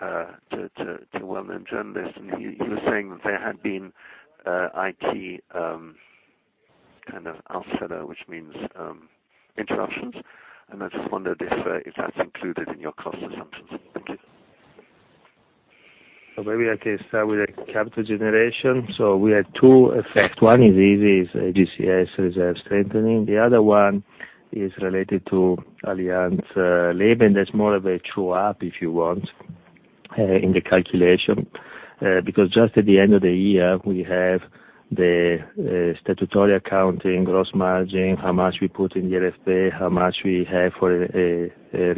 well-known journalists, and he was saying that there had been IT kinds of Ausfällen, which means interruptions. I just wondered if that's included in your cost assumptions. Thank you. Maybe I can start with the capital generation. We had two effects. One is easy: AGCS reserve strengthening. The other one is related to Allianz Leben. That's more of a true-up, if you want, in the calculation. Just at the end of the year, we have the statutory accounting, gross margin, how much we put in the RFA, how much we have for a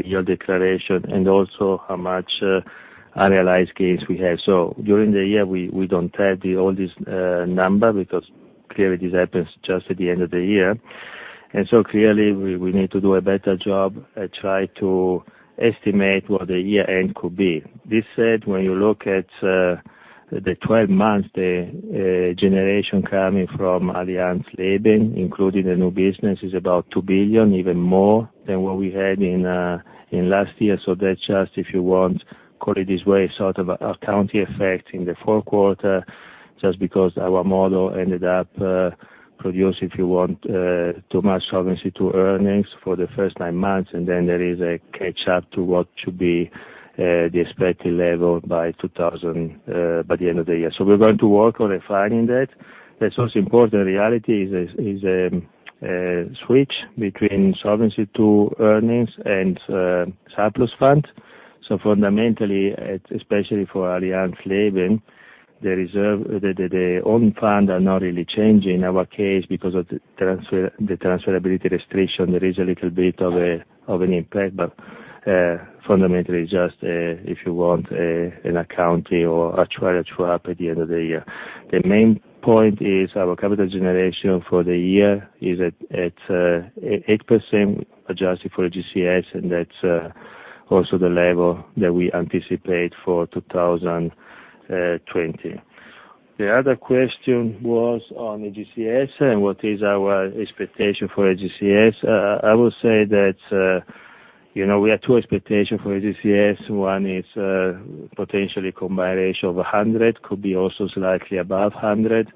year declaration, and also how many unrealized gains we have. During the year, we don't have all these number because clearly this happens just at the end of the year. Clearly, we need to do a better job at trying to estimate what the year-end could be. This said, when you look at the 12 months, the generation coming from Allianz Leben, including the new business, is about 2 billion, even more than what we had last year. That's just, if you want, call it this way, sort of an accounting effect in the fourth quarter, just because our model ended up producing, if you want, too much Solvency II earnings for the first nine months, and then there is a catch-up to what should be the expected level by the end of the year. We're going to work on refining that. That's also important. The reality is a switch between Solvency II earnings and surplus funds. Fundamentally, especially for Allianz Leben, the own funds are not really changing our case because of the transferability restriction. There is a little bit of an impact. Fundamentally, just, if you want, an accounting or actuarial swap at the end of the year. The main point is our capital generation for the year is at 8%, adjusted for AGCS. That's also the level that we anticipate for 2020. The other question was on AGCS. What is our expectation for AGCS? I would say that we have two expectations for AGCS. One is potentially a combined ratio of 100; it could also be slightly above 100.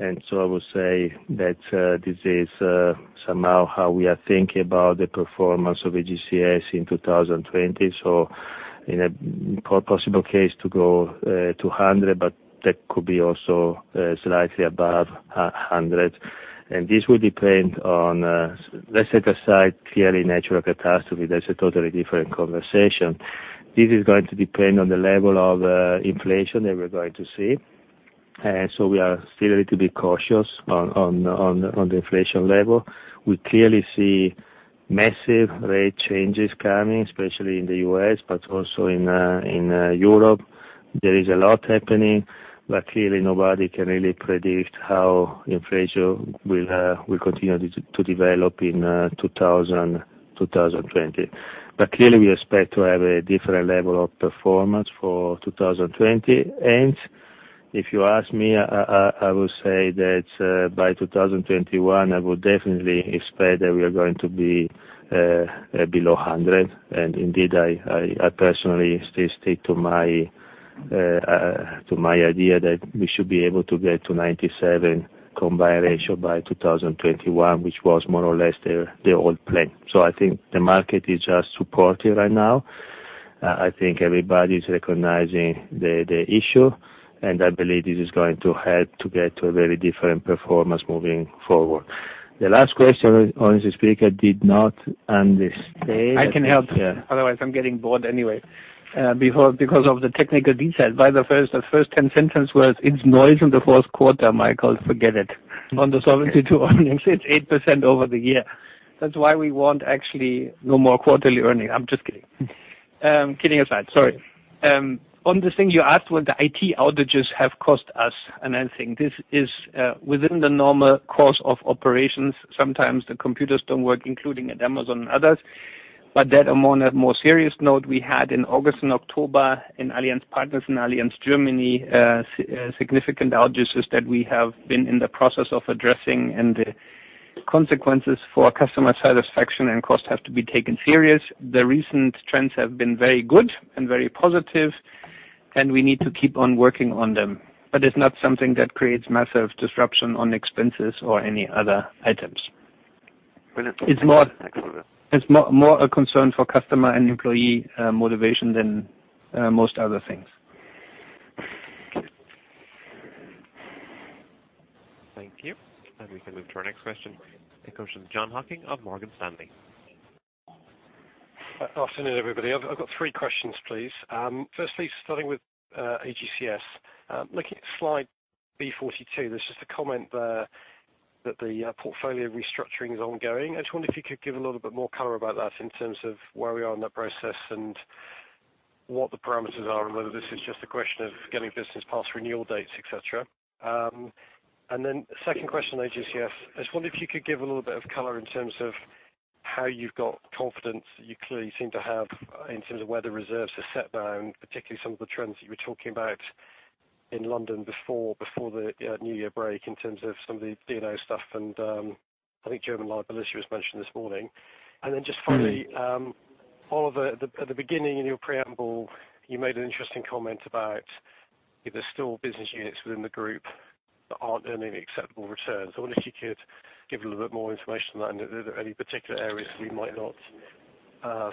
I would say that this is somehow how we are thinking about the performance of AGCS in 2020. In a possible case to go to 100, that could also be slightly above 100. This will depend on, let's set aside clearly natural catastrophes. That's a totally different conversation. This is going to depend on the level of inflation that we're going to see. We are still a little bit cautious on the inflation level. We clearly see massive rate changes coming, especially in the U.S., but also in Europe. Clearly nobody can really predict how inflation will continue to develop in 2020. Clearly, we expect to have a different level of performance for 2020. If you ask me, I would say that by 2021, I would definitely expect that we are going to be below 100. Indeed, I personally still stick to my idea that we should be able to get to 97 combined ratio by 2021, which was more or less the old plan. I think the market is just supportive right now. I think everybody's recognizing the issue, and I believe this is going to help to get to a very different performance moving forward. The last question, honestly, speaker, I did not understand. I can help. Yeah. Otherwise, I am getting bored anyway. Because of the technical detail. By the way, the first 10 sentences were the fourth quarter, Michael; forget it. On the Solvency II earnings, it is 8% over the year. That is why we actually want no more quarterly earnings. I am just kidding. Kidding aside, sorry. On the thing you asked what the IT outages have cost us, I think this is within the normal course of operations. Sometimes the computers don't work, including at Amazon and others. On a more serious note, we had in August and October in Allianz Partners and Allianz Germany significant outages that we have been in the process of addressing, and the consequences for customer satisfaction and cost have to be taken seriously. The recent trends have been very good and very positive, and we need to keep on working on them. It's not something that creates massive disruption on expenses or any other items. Will it next quarter? It's more a concern for customer and employee motivation than most other things. Thank you. We can move to our next question. It comes from Jon Hocking of Morgan Stanley. Afternoon, everybody. I've got three questions, please. Firstly, starting with AGCS. Looking at slide B-42, there's just a comment there that the portfolio restructuring is ongoing. I just wonder if you could give a little bit more color about that in terms of where we are in that process and what the parameters are and whether this is just a question of getting business past renewal dates, et cetera. Second question, AGCS. I just wonder if you could give a little bit of color in terms of how you've got the confidence that you clearly seem to have in terms of where the reserves are set now, and particularly some of the trends that you were talking about in London before the new year break in terms of some of the D&O stuff, and I think German liability was mentioned this morning. Just finally, Oliver, at the beginning of your preamble, you made an interesting comment about if there are still business units within the group that aren't earning acceptable returns. I wonder if you could give a little bit more information on that, and are there any particular areas that we might not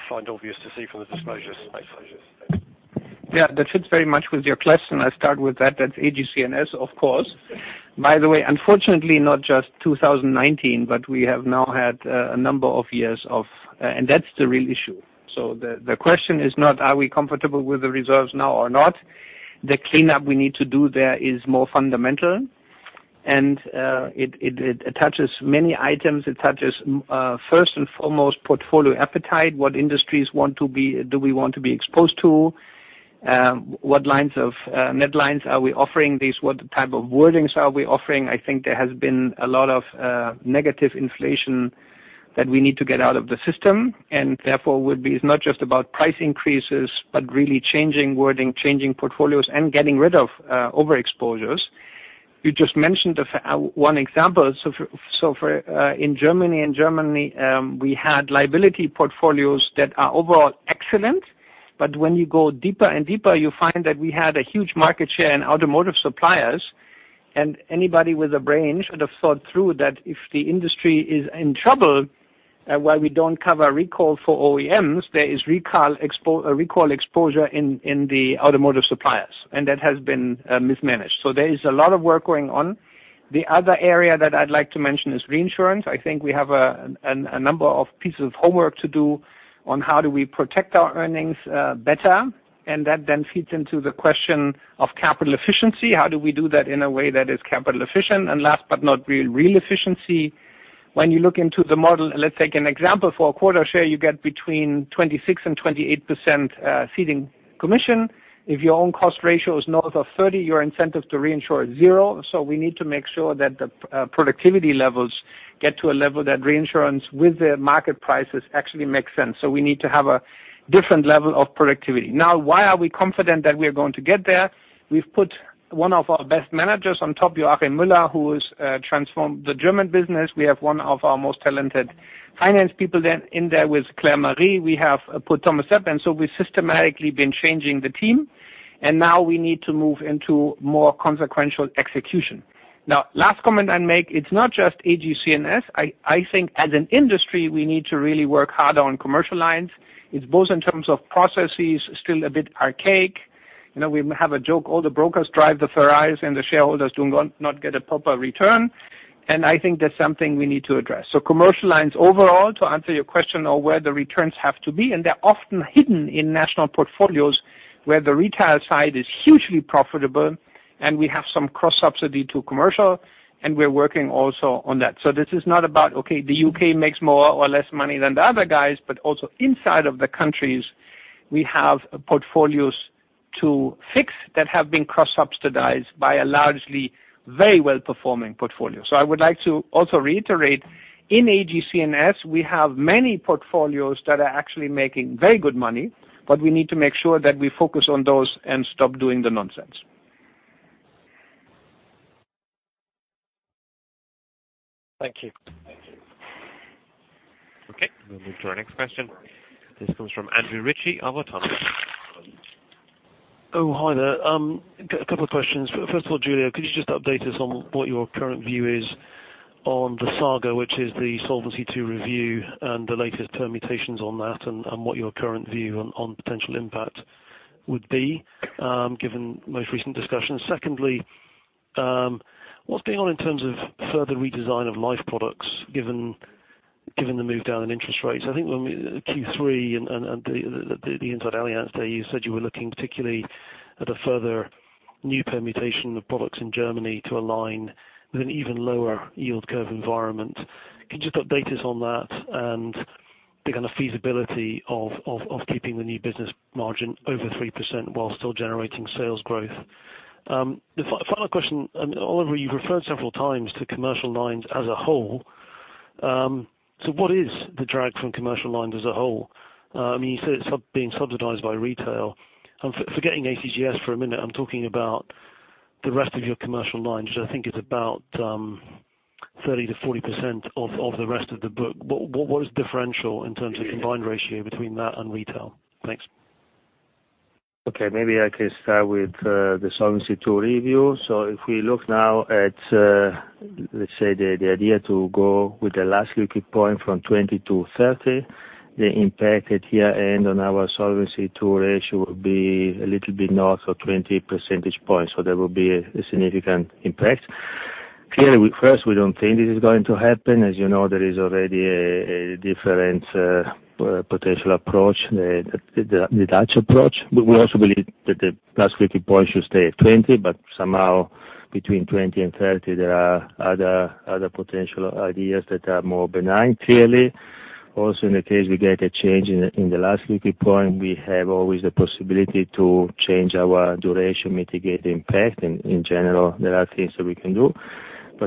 find obvious to see from the disclosure space? Thanks. Yeah, that fits very much with your question. I start with that. That's AGCS, of course. By the way, unfortunately not just 2019, but we have now had a number of years. That's the real issue. The question is not whether we are comfortable with the reserves now or not. The cleanup we need to do there is more fundamental, and it attaches many items. It touches, first and foremost, portfolio appetite, what industries do we want to be exposed to? What lines of midlines are we offering these? What type of wordings are we offering? I think there has been a lot of negative inflation that we need to get out of the system, and therefore it's not just about price increases but really changing wording, changing portfolios, and getting rid of overexposures. You just mentioned one example. In Germany, we had liability portfolios that were overall excellent. When you go deeper and deeper, you find that we had a huge market share in automotive suppliers, and anybody with a brain should have thought through that if the industry is in trouble, while we don't cover recalls for OEMs, there is recall exposure in the automotive suppliers, and that has been mismanaged. There is a lot of work going on. The other area that I'd like to mention is reinsurance. I think we have a number of pieces of homework to do on how we protect our earnings better, and that then feeds into the question of capital efficiency. How do we do that in a way that is capital efficient? Last but not really, efficiency. When you look into the model, let's take an example. For a quarter share, you get between 26% and 28% ceding commission. If your own cost ratio is north of 30, your incentive to reinsure is zero. We need to make sure that the productivity levels get to a level that reinsurance with the market prices actually makes sense. We need to have a different level of productivity. Now, why are we confident that we are going to get there? We've put one of our best managers on top, Joachim Müller, who has transformed the German business. We have one of our most talented finance people in there with Claire-Marie. We have put up Thomas Sepp. We've systematically been changing the team. We need to move into more consequential execution. Now, the last comment I'll make is it's not just AGCS. I think as an industry, we need to really work harder on commercial lines. It's both, in terms of processes, still a bit archaic. We have a joke: all the brokers drive the Ferraris, and the shareholders do not get a proper return, and I think that's something we need to address. Commercial lines overall, to answer your question on where the returns have to be, are often hidden in national portfolios where the retail side is hugely profitable and we have some cross-subsidy to commercial, and we're working also on that. This is not about, okay, the U.K. makes more or less money than the other guys, but also inside of the countries, we have portfolios to fix that have been cross-subsidized by a largely very well-performing portfolio. I would like to also reiterate, in AGCS, we have many portfolios that are actually making very good money, but we need to make sure that we focus on those and stop doing the nonsense. Thank you. We'll move to our next question. This comes from Andrew Ritchie, Autonomous Research. Oh, hi there. A couple of questions. First of all, Giulio, could you just update us on what your current view is on the saga, which is the Solvency II review and the latest permutations on that, and what your current view on potential impact would be, given the most recent discussions? What's going on in terms of further redesign of life products given the move down in interest rates? I think when we, Q3 and the Inside Allianz Day, you said you were looking particularly at a further new permutation of products in Germany to align with an even lower yield curve environment. Can you just update us on that and the kind of feasibility of keeping the new business margin over 3% while still generating sales growth? The final question, Oliver, you've referred several times to commercial lines as a whole. What is the drag from commercial lines as a whole? You said it's being subsidized by retail. Forgetting AGCS for a minute, I am talking about the rest of your commercial lines, which I think is about 30%-40% of the rest of the book. What is the differential in terms of the combined ratio between that and retail? Thanks. Maybe I can start with the Solvency II review. If we look now at, let's say, the idea to go with the last liquid point from 20-30, the impact at year-end on our Solvency II ratio will be a little bit north of 20 percentage points. There will be a significant impact. Clearly, first, we don't think this is going to happen. As you know, there is already a different potential approach, the Dutch approach. We also believe that the last liquid point should stay at 20, but somehow between 20 and 30, there are other potential ideas that are more benign, clearly. Also, in the case we get a change in the last liquid point, we always have the possibility to change our duration and mitigate impact, and in general, there are things that we can do.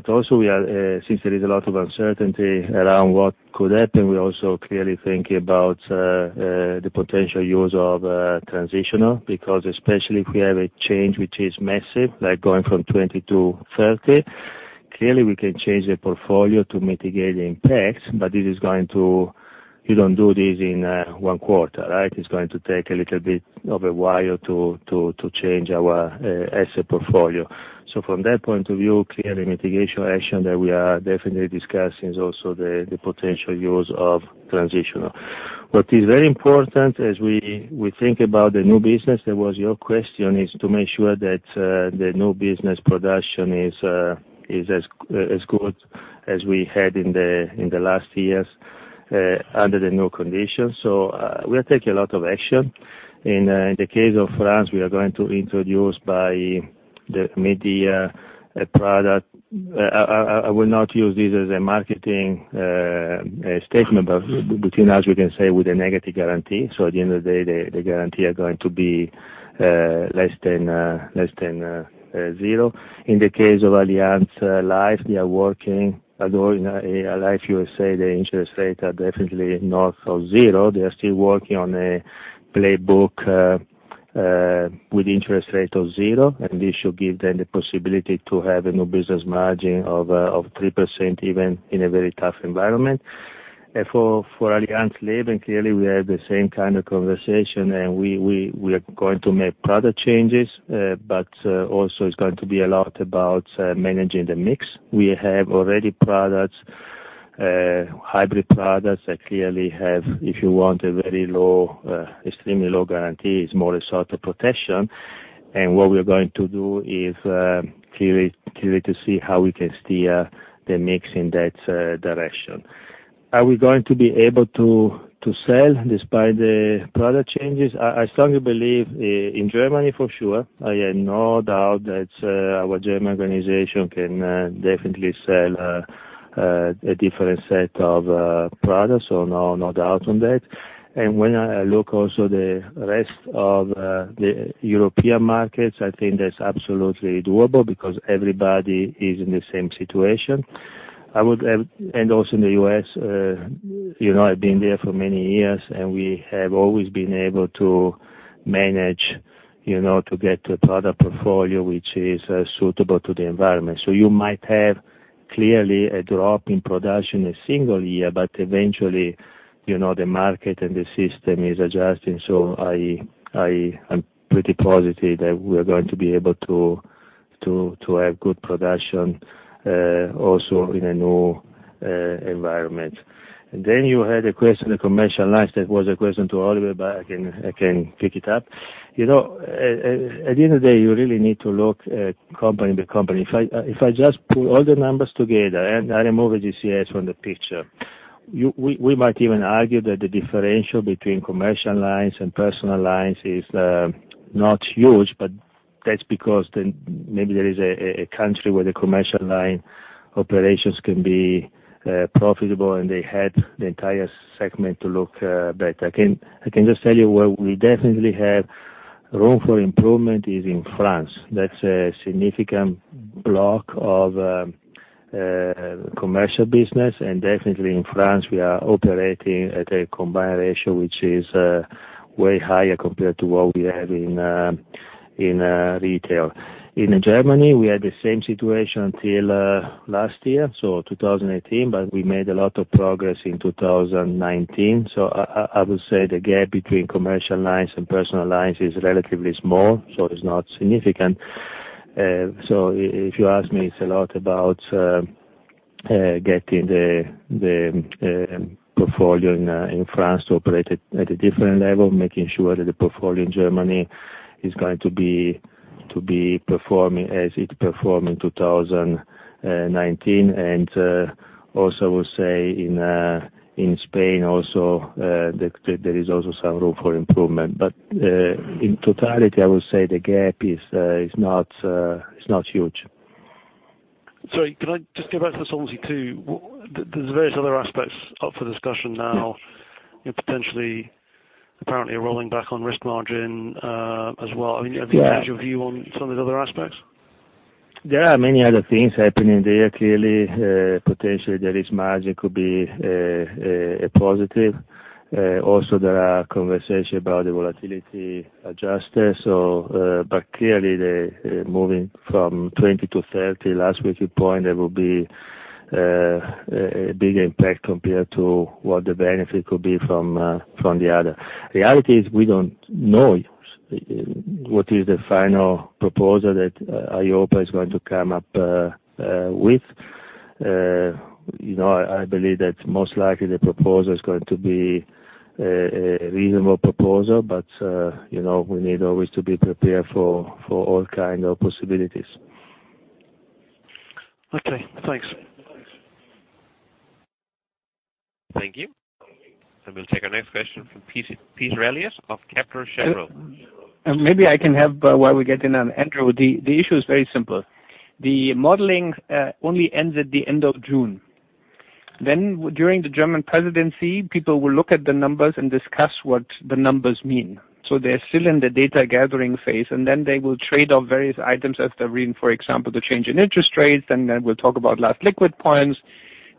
Also, since there is a lot of uncertainty around what could happen, we're also clearly thinking about the potential use of transitional because, especially if we have a change that is massive, like going from 20-30, clearly we can change the portfolio to mitigate impact, but you don't do this in one quarter, right? It's going to take a little bit of a while to change our asset portfolio. From that point of view, clearly mitigation action that we are definitely discussing is also the potential use of transitional. What is very important as we think about the new business, which was your question, is to make sure that the new business production is as good as we had in the last years under the new conditions. We are taking a lot of action. In the case of France, we are going to introduce it. The media product. I will not use this as a marketing statement, but between us, we can say it with a negative guarantee. At the end of the day, the guarantee is going to be less than zero. In the case of Allianz Life, they are working. Although in Allianz USA, the interest rates are definitely north of zero. They are still working on a playbook with interest rate of zero, and this should give them the possibility to have a new business margin of 3%, even in a very tough environment. For Allianz Leben, clearly, we have the same kind of conversation, and we are going to make product changes. Also, it's going to be a lot about managing the mix. We already have products, hybrid products, that clearly have, if you want a very low, extremely low guarantee; it's more a sort of protection. What we're going to do is clearly to see how we can steer the mix in that direction. Are we going to be able to sell despite the product changes? I strongly believe in Germany for sure. I have no doubt that our German organization can definitely sell a different set of products, so there is no doubt on that. When I look also at the rest of the European markets, I think that's absolutely doable because everybody is in the same situation. Also in the U.S., I've been there for many years, and we have always been able to manage to get to a product portfolio that is suitable to the environment. You might have clearly a drop in production in a single year, but eventually, the market and the system are adjusting. I'm pretty positive that we are going to be able to have good production, also in a new environment. You had a question on commercial lines. That was a question to Oliver, but I can pick it up. At the end of the day, you really need to look company to company. If I just pull all the numbers together, and I remove AGCS from the picture, we might even argue that the differential between commercial lines and personal lines is not huge, but that's because maybe there is a country where the commercial line operations can be profitable, and they help the entire segment to look better. I can just tell you where we definitely have room for improvement is in France. That's a significant block of commercial business. Definitely in France, we are operating at a combined ratio that is way higher compared to what we have in retail. In Germany, we had the same situation till last year, so 2018, but we made a lot of progress in 2019. I would say the gap between commercial lines and personal lines is relatively small, so it's not significant. If you ask me, it's a lot about getting the portfolio in France to operate at a different level, making sure that the portfolio in Germany is going to be performing as it performed in 2019. Also, I will say in Spain, there is also some room for improvement. In totality, I would say the gap is not huge. Sorry, can I just go back to Solvency II? There are various other aspects up for discussion now. Potentially, apparently rolling back on risk margin as well. Yeah. Have you changed your view on some of the other aspects? There are many other things happening there. Clearly, potentially, there is margin that could be a positive. Also, there are conversations about the volatility adjuster. Clearly, moving from 20 to 30 last liquid point, there will be a big impact compared to what the benefit could be from the other. Reality is we don't know what is the final proposal that EIOPA is going to come up with is. I believe that most likely the proposal is going to be a reasonable proposal. We need always to be prepared for all kinds of possibilities. Okay. Thanks. Thank you. We'll take our next question from Peter Eliot of Kepler Cheuvreux. Maybe I can help while we're getting on Andrew. The issue is very simple. The modeling only ends at the end of June. During the German Presidency, people will look at the numbers and discuss what the numbers mean. They're still in the data-gathering phase, and they will trade off various items as they're reading, for example, the change in interest rates. We'll talk about the last liquid points.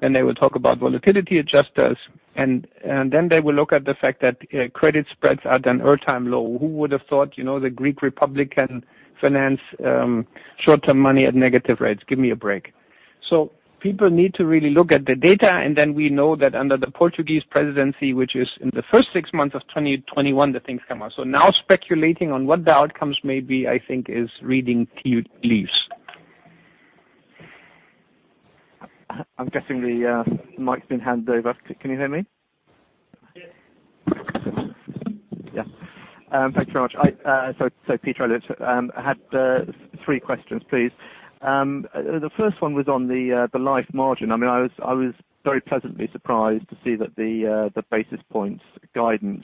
They will talk about volatility adjusters, and they will look at the fact that credit spreads are at an all-time low. Who would have thought the Greek Republic finances short-term money at negative rates? Give me a break. People need to really look at the data, and we know that under the Portuguese Presidency, which is in the first six months of 2021, things come out. Now speculating on what the outcomes may be, I think, is reading tea leaves. I'm guessing the mic's been handed over. Can you hear me? Yes. Thank you very much. Peter Eliot. I had three questions, please. The first one was on the life margin. I was very pleasantly surprised to see that the basis points guidance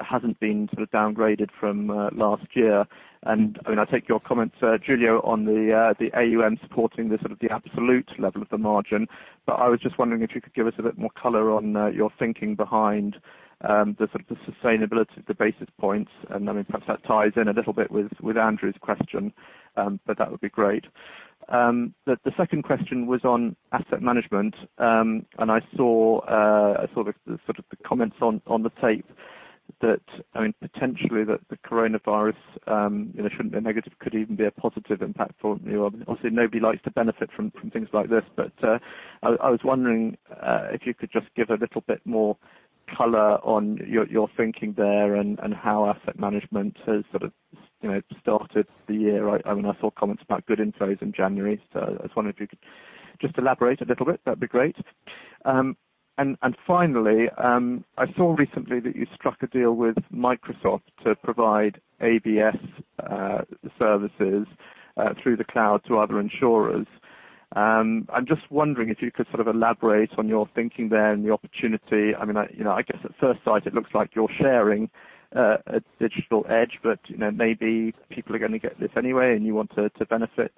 hasn't been sort of downgraded from last year. I take your comments, Giulio, on the AUM supporting the absolute level of the margin. I was just wondering if you could give us a bit more color on your thinking behind the sustainability of the basis points, perhaps that ties in a little bit with Andrew Ritchie's question; that would be great. The second question was on asset management. I saw the comments on the tape potentially that the coronavirus shouldn't be negative and could even be a positive impact for you. Obviously, nobody likes to benefit from things like this. I was wondering if you could just give a little bit more color on your thinking there and how asset management has started the year. I saw comments about good intros in January. I was wondering if you could just elaborate a little bit; that'd be great. Finally, I saw recently that you struck a deal with Microsoft to provide ABS services through the cloud to other insurers. I'm just wondering if you could elaborate on your thinking there and the opportunity. I guess at first sight, it looks like you're sharing a digital edge, but maybe people are going to get this anyway, and you want to benefit.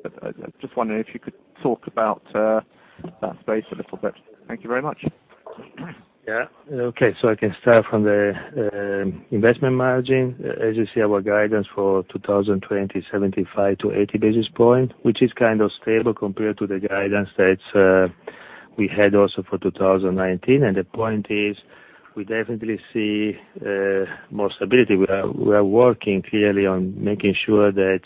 Just wondering if you could talk about that space a little bit. Thank you very much. Yeah. Okay, I can start from the investment margin. As you see, our guidance for 2020, 75-80 basis points, which is kind of stable compared to the guidance that we had also for 2019. The point is we definitely see more stability. We are working clearly on making sure that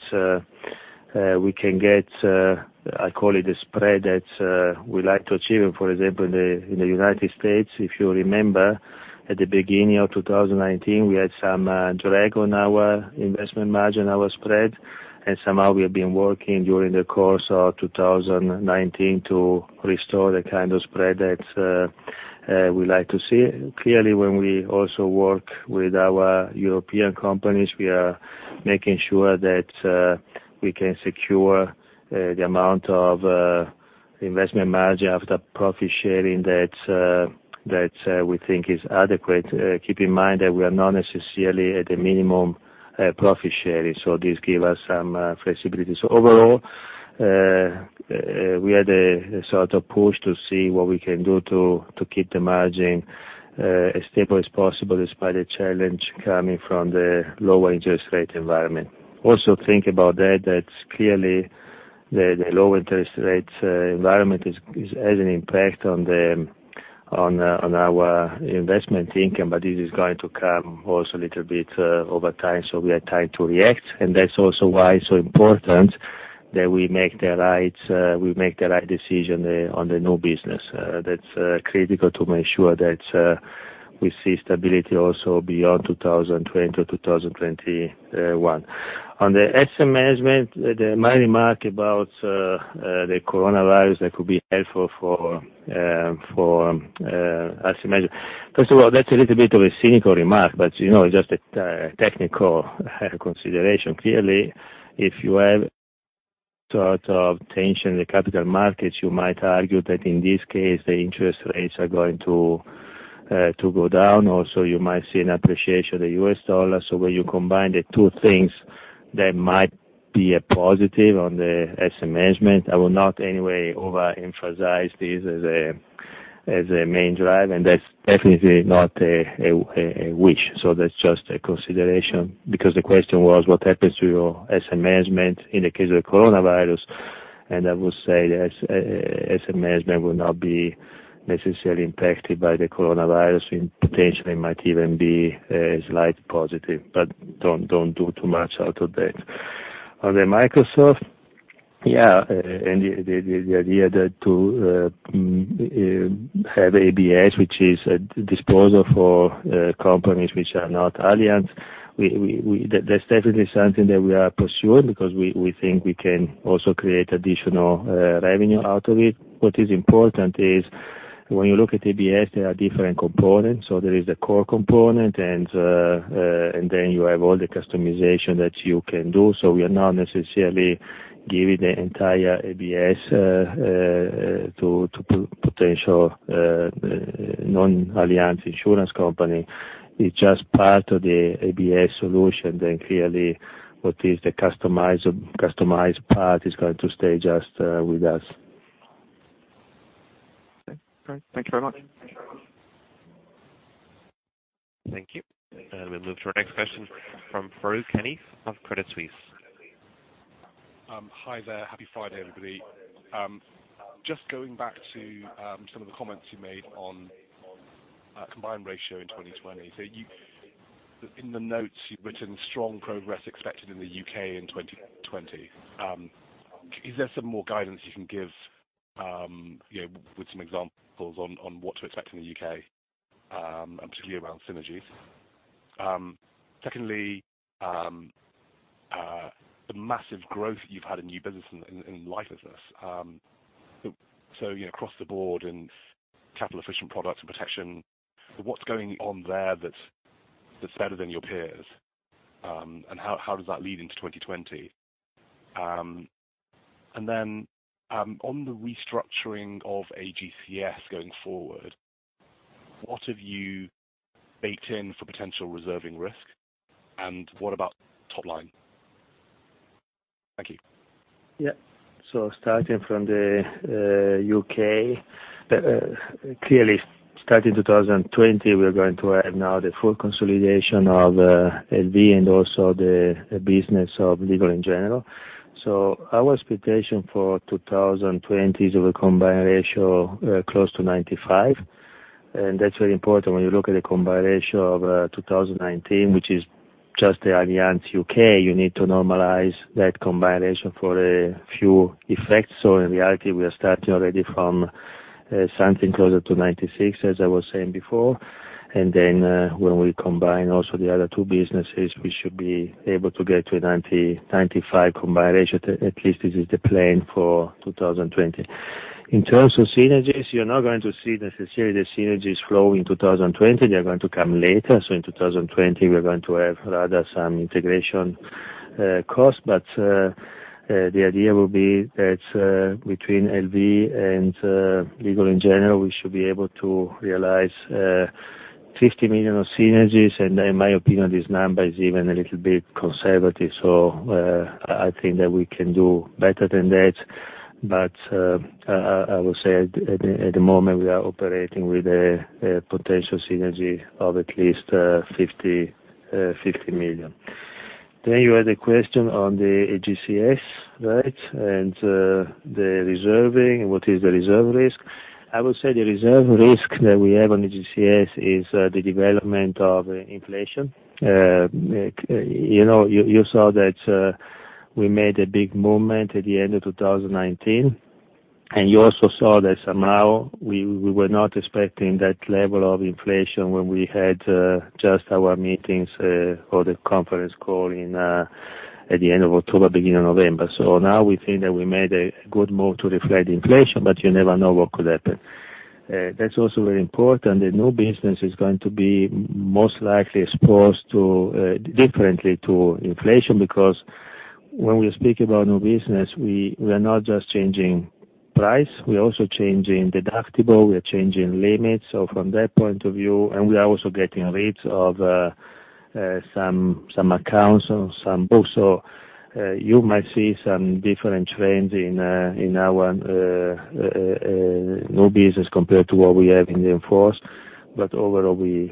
we can get what I call a spread that we like to achieve. For example, in the U.S., if you remember, at the beginning of 2019, we had some drag on our investment margin, our spread. Somehow we have been working during the course of 2019 to restore the kind of spread that we like to see. Clearly, when we also work with our European companies, we are making sure that we can secure the amount of investment margin after profit sharing that we think is adequate. Keep in mind that we are not necessarily at the minimum profit sharing; this gives us some flexibility. Overall, we had a sort of push to see what we can do to keep the margin as stable as possible, despite the challenge coming from the lower interest rate environment. Think about that clearly; the lower interest rate environment has an impact on our investment income, but it is going to come also a little bit over time, so we are trying to react. That's also why it's so important that we make the right decision on the new business. That's critical to make sure that we see stability also beyond 2020 to 2021. On asset management, my remark about the coronavirus could be helpful for asset management. First of all, that's a little bit of a cynical remark, but it's just a technical consideration. Clearly, if you have some sort of tension in the capital markets, you might argue that in this case, the interest rates are going to go down. Also, you might see an appreciation of the U.S. dollar. When you combine the two things, that might be a positive for asset management. I will not anyway overemphasize this as a main drive, and that's definitely not a wish. That's just a consideration because the question was what happens to your asset management in the case of the coronavirus, and I would say that asset management will not be necessarily impacted by the coronavirus and potentially might even be a slight positive, but don't make too much out of that. On the Microsoft, the idea of having ABS, which is a disposal for companies that are not Allianz, is definitely something that we are pursuing because we think we can also create additional revenue out of it. What is important is when you look at ABS, there are different components. There is a core component, and then you have all the customization that you can do. We are not necessarily giving the entire ABS to a potential non-Allianz insurance company. It's just part of the ABS solution. Clearly, what is customized is going to stay just with us. Okay, great. Thank you very much. Thank you. We'll move to our next question from Farooq Hanif of Credit Suisse. Hi there. Happy Friday, everybody. Going back to some of the comments you made on the combined ratio in 2020. In the notes, you've written strong progress expected in the U.K. in 2020. Is there some more guidance you can give with some examples on what to expect in the U.K., and particularly around synergies? Secondly, the massive growth you've had in new business in life is this. Across the board in capital-efficient products and protection, what's going on there that's better than your peers'? How does that lead into 2020? On the restructuring of AGCS going forward, what have you baked in for potential reserving risk? What about the top line? Thank you. Starting from the U.K., clearly starting in 2020, we are going to have now the full consolidation of LV= and also the business of Legal & General. Our expectation for 2020 is of a combined ratio close to 95, and that's very important. When you look at the combined ratio of 2019, which is just the Allianz UK, you need to normalize that combined ratio for a few effects. In reality, we are starting already from something closer to 96, as I was saying before. When we also combine the other two businesses, we should be able to get to a 95 combined ratio. At least this is the plan for 2020. In terms of synergies, you're not going to see necessarily the synergies flow in 2020. They're going to come later. In 2020, we are going to have rather high integration costs. The idea will be that between LV= and Legal & General, we should be able to realize 50 million of synergies. In my opinion, this number is even a little bit conservative. I think that we can do better than that. I will say at the moment we are operating with a potential synergy of at least 50 million. You had a question on the AGCS, right? The reserving: what is the reserve risk? I would say the reserve risk that we have on AGCS is the development of inflation. You saw that we made a big movement at the end of 2019, and you also saw that somehow we were not expecting that level of inflation when we had just our meetings or the conference call at the end of October or beginning of November. Now we think that we made a good move to reflect inflation, but you never know what could happen. That's also very important. The new business is going to be most likely exposed differently to inflation because when we are speaking about a new business, we are not just changing price; we are also changing deductibles and we are changing limits. From that point of view, we are also getting rid of some accounts on some books. You might see some different trends in our new business compared to what we have in the past. Overall, we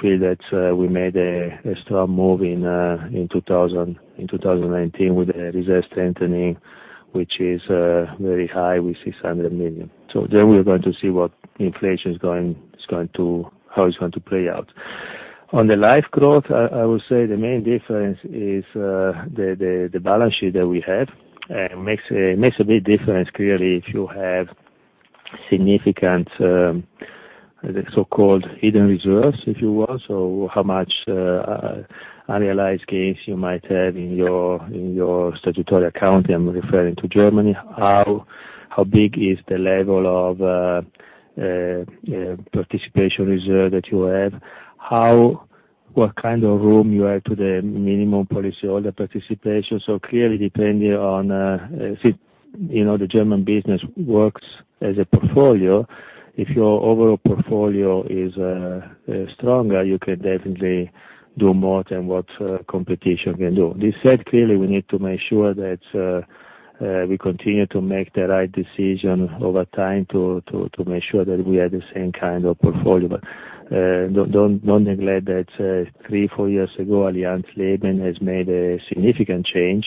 feel that we made a strong move in 2019 with the reserve strengthening, which is very high at 600 million. There we are going to see how inflation is going to play out. On life growth, I would say the main difference is the balance sheet that we have. It makes a big difference clearly if you have significant, the so-called hidden reserves, if you will. How many unrealized gains might you have in your statutory account? I'm referring to Germany. How big is the level of participation reserve that you have? What kind of room you have to the minimum policyholder participation? Clearly depending on if the German business works as a portfolio, if your overall portfolio is stronger, you can definitely do more than what the competition can do. This said, clearly, we need to make sure that we continue to make the right decision over time to make sure that we have the same kind of portfolio. Don't neglect that three or four years ago, Allianz Leben made a significant change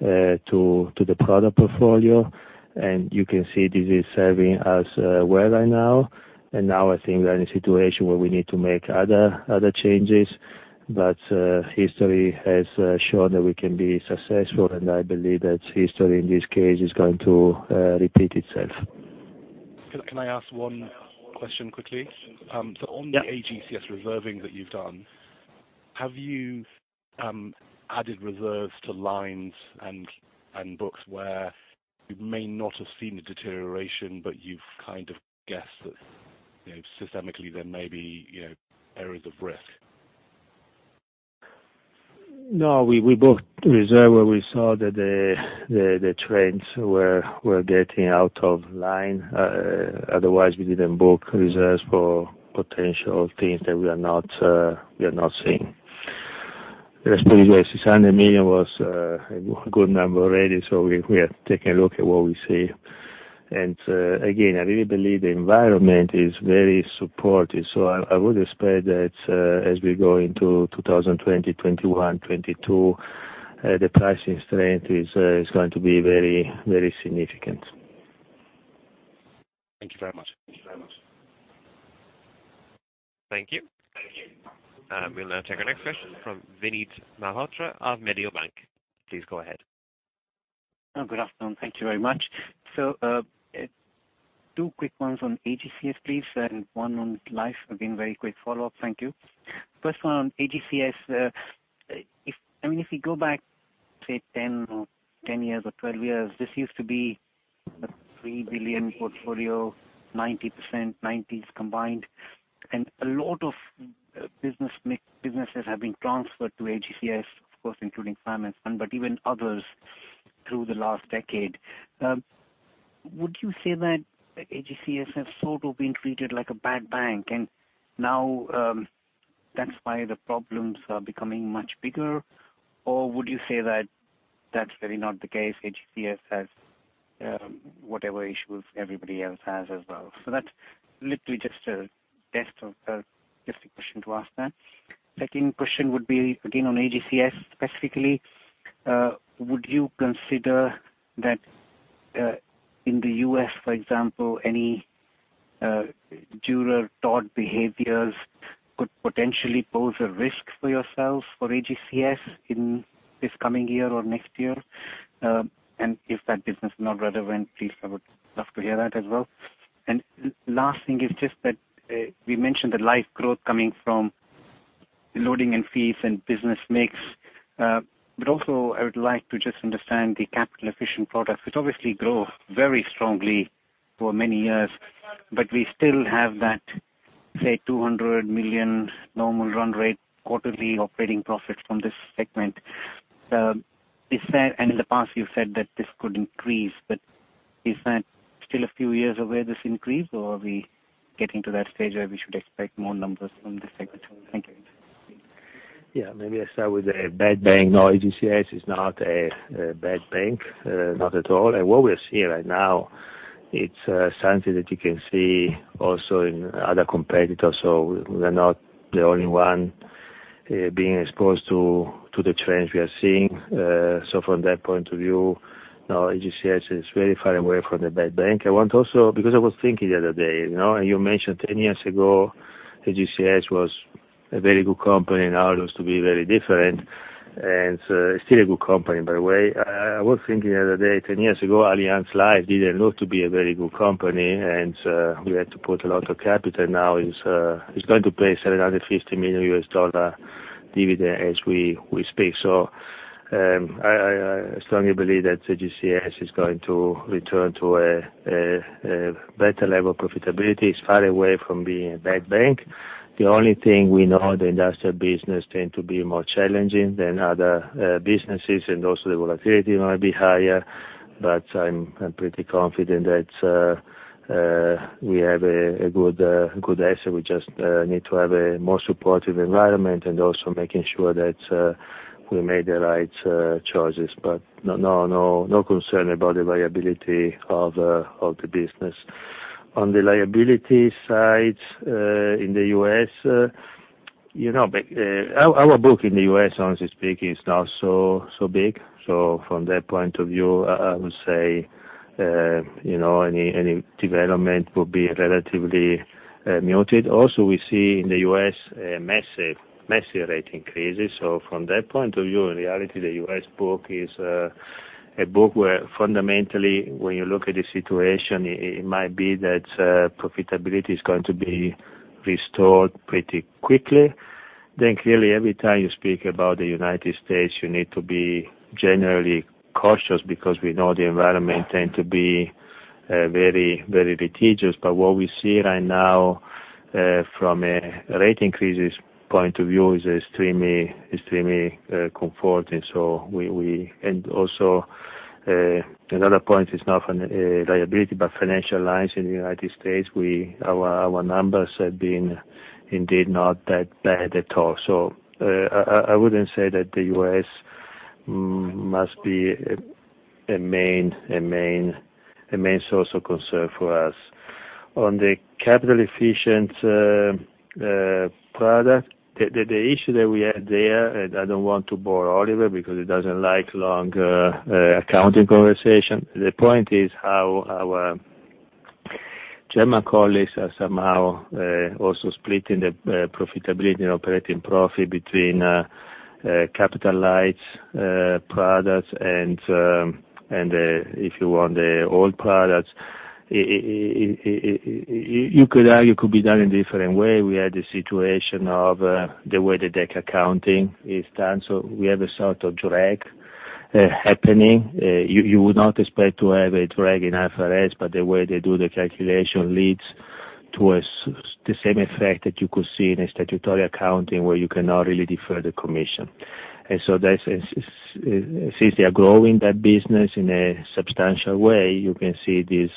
to the product portfolio, and you can see this is serving us well right now. Now I think we're in a situation where we need to make other changes. History has shown that we can be successful, and I believe that history in this case is going to repeat itself. Can I ask one question quickly? Yeah. On the AGCS reserving that you've done, have you added reserves to lines and books where you may not have seen the deterioration, but you've kind of guessed that systemically there may be areas of risk? No, we booked a reservation where we saw that the trends were getting out of line. Otherwise, we didn't book reserves for potential things that we are not seeing. Rest assured EUR 600 million was a good number already. We are taking a look at what we see. Again, I really believe the environment is very supportive. I would expect that as we go into 2020, 2021, and 2022, the pricing strength is going to be very significant. Thank you very much. Thank you. We'll now take our next question from Vinit Malhotra of Mediobanca. Please go ahead. Good afternoon. Thank you very much. Two quick ones on AGCS, please, and one on life. Again, very quick follow-up. Thank you. First one on AGCS. If we go back, say, 10 years or 12 years, this used to be the 3 billion portfolio, 90% and 90% combined, and a lot of businesses have been transferred to AGCS, of course, including finance, but even others through the last decade. Would you say that AGCS has sort of been treated like a bad bank, and now that's why the problems are becoming much bigger? Would you say that that's really not the case, that AGCS has whatever issues everybody else has as well? That's literally just a test of a question to ask that. Second question would be, again, on AGCS specifically. Would you consider that in the U.S., for example, any juror thought behaviors could potentially pose a risk for you for AGCS in this coming year or next year? If that business is not relevant, please, I would love to hear that as well. Last thing is just that we mentioned the life growth coming from loading and fees and business mix. Also, I would like to just understand the capital-efficient products, which obviously grow very strongly for many years. We still have that, say, 200 million normal run rate quarterly operating profits from this segment. In the past, you said that this could increase, but is this increase still a few years away, or are we getting to that stage where we should expect more numbers from this segment? Thank you. Maybe I start with a bad bank. No, AGCS is not a bad bank. Not at all. What we are seeing right now is something that you can see also in other competitors. We're not the only one being exposed to the trends we are seeing. From that point of view, no, AGCS is very far away from the bad bank. I want to also, because I was thinking the other day, you mentioned 10 years ago AGCS was a very good company; now it looks to be very different. Still a good company, by the way. I was thinking the other day, 10 years ago, Allianz Life didn't look to be a very good company; we had to put in a lot of capital. Now it's going to pay a $750 million dividend as we speak. I strongly believe that AGCS is going to return to a better level of profitability. It's far away from being a bad bank. The only thing we know is that industrial businesses tend to be more challenging than other businesses, and also the volatility might be higher. I'm pretty confident that we have a good asset. We just need to have a more supportive environment and also make sure that we made the right choices. No concern about the viability of the business. On the liability side in the U.S., our book in the U.S., honestly speaking, is not so big. From that point of view, I would say any development will be relatively muted. Also, we see in the U.S. massive rate increases. From that point of view, in reality, the U.S. The book is a book where, fundamentally, when you look at the situation, it might be that profitability is going to be restored pretty quickly. Clearly, every time you speak about the U.S., you need to be generally cautious because we know the environment tends to be very litigious. What we see right now from a rate-increase point of view is extremely comforting. Also, another point is not on liability but financial lines in the U.S.; our numbers have been indeed not that bad at all. I wouldn't say that the U.S. must be a main source of concern for us. On the capital-efficient product, the issue that we had there, and I don't want to bore Oliver because he doesn't like long accounting conversations. The point is how our German colleagues are somehow also splitting the profitability and operating profit between capital-light products and, if you want, the old products. It could be done in a different way. We had a situation with the way the DAC accounting is done. We have a sort of drag happening. You would not expect to have a drag in IFRS, but the way they do the calculation leads towards the same effect that you could see in statutory accounting, where you cannot really defer the commission. Since they are growing that business in a substantial way, you can see this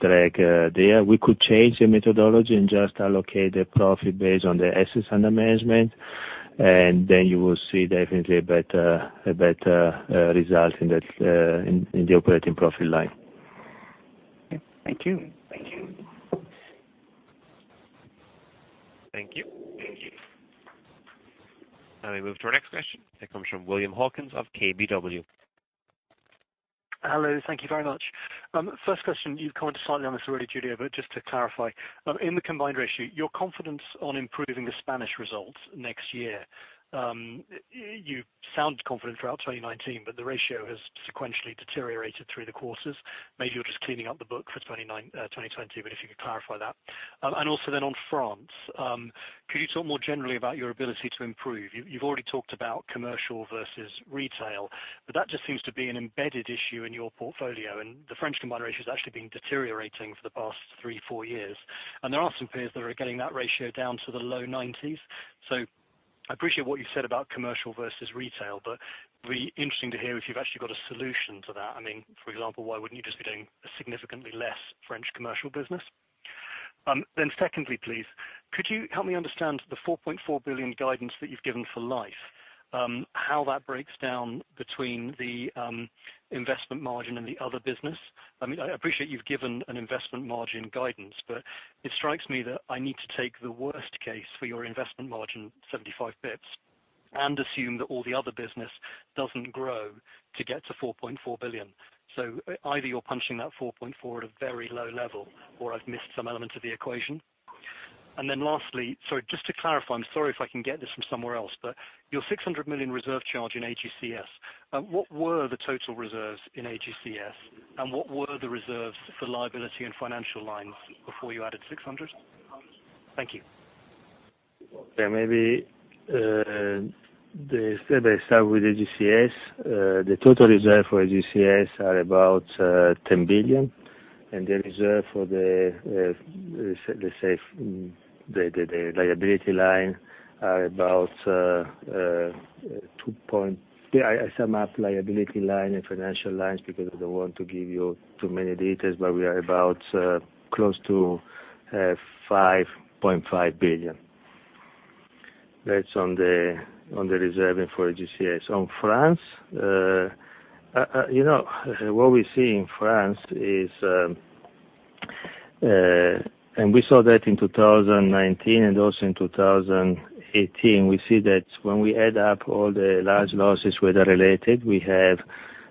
drag there. We could change the methodology and just allocate the profit based on the assets under management, and then you will definitely see a better result in the operating profit line. Okay. Thank you. Thank you. Now we move to our next question. It comes from William Hawkins of KBW. Hello. Thank you very much. First question, you've commented slightly on this already, Giulio, just to clarify. In the combined ratio, your confidence is on improving the Spanish results next year. You've sounded confident throughout 2019; the ratio has sequentially deteriorated through the courses. Maybe you're just cleaning up the book for 2020; could you clarify that? Also in France, could you talk more generally about your ability to improve? You've already talked about commercial versus retail; that just seems to be an embedded issue in your portfolio, the French combined ratio has actually been deteriorating for the past three or four years. There are some peers that are getting that ratio down to the low 90s. I appreciate what you said about commercial versus retail; it would be interesting to hear if you've actually got a solution to that. Why wouldn't you just be doing a significantly less French commercial business? Secondly, please, could you help me understand the 4.4 billion guidance that you've given for Life, how that break down between the investment margin and the other business? I appreciate you've given investment margin guidance; it strikes me that I need to take the worst case for your investment margin, 75 basis points, and assume that all the other business doesn't grow to get to 4.4 billion. Either you're punching that 4.4 at a very low level, or I've missed some element of the equation. Lastly, sorry, just to clarify, I'm sorry if I can get this from somewhere else: your 600 million reserve charge in AGCS, what were the total reserves in AGCS, and what were the reserves for liability and financial lines before you added 600? Thank you. Yeah. Maybe let me start with AGCS. The total reserve for AGCS is about 10 billion, and the reserve for the liability line is about that. I sum up the liability line and financial lines because I don't want to give you too many details, but we are about close to 5.5 billion. That's on the reservation for AGCS. In France, what we see in France is, and we saw that in 2019 and also in 2018, we see that when we add up all the large losses, weather-related, we have,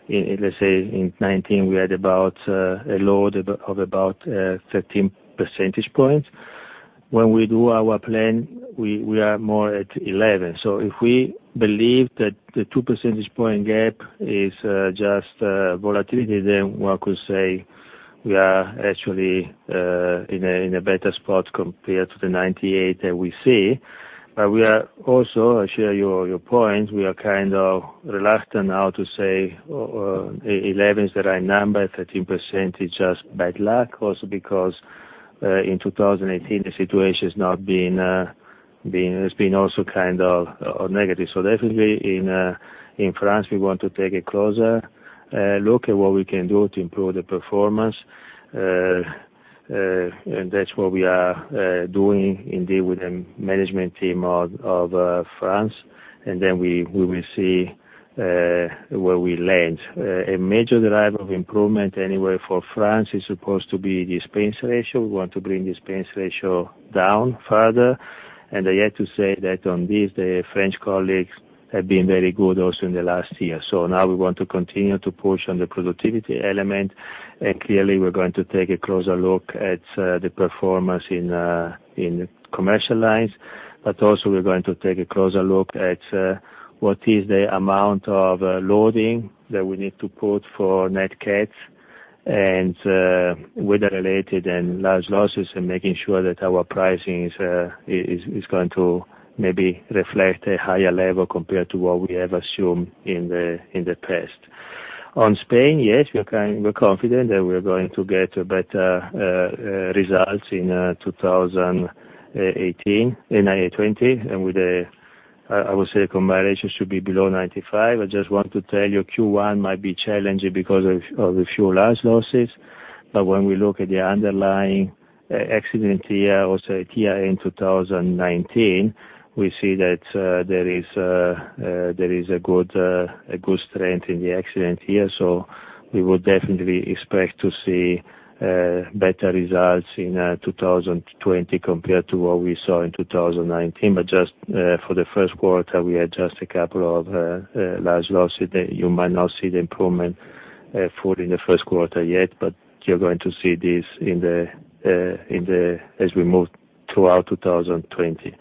let's say, in 2019, we had about a load of about 13 percentage points. When we do our plan, we are more like 11. If we believe that the two percentage point gap is just volatility, then one could say we are actually in a better spot compared to the 98 that we see. We are also, I share your point; we are kind of reluctant now to say 11 is the right number. 13% is just bad luck. Because in 2018, the situation has also been kind of negative. Definitely in France, we want to take a closer look at what we can do to improve the performance. That's what we are doing indeed with the management team of France, and then we will see where we land. A major driver of improvement anyway for France is supposed to be the expense ratio. We want to bring the expense ratio down further. I have to say that on this, the French colleagues have been very good also in the last year. Now we want to continue to push on the productivity element. Clearly, we're going to take a closer look at the performance in commercial lines. Also, we're going to take a closer look at what the amount of loading is that we need to put for NatCat and weather-related and large losses and making sure that our pricing is going to maybe reflect a higher level compared to what we have assumed in the past. In Spain, yes, we're confident that we're going to get better results in 2018, in 2020. I would say the combination should be below 95%. I just want to tell you, Q1 might be challenging because of a few large losses. When we look at the underlying accident year, also here in 2019, we see that there is a good strength in the accident year. We would definitely expect to see better results in 2020 compared to what we saw in 2019. Just for the first quarter, we had just a couple of large losses that you might not see the improvement for in the first quarter yet, but you're going to see this as we move throughout 2020.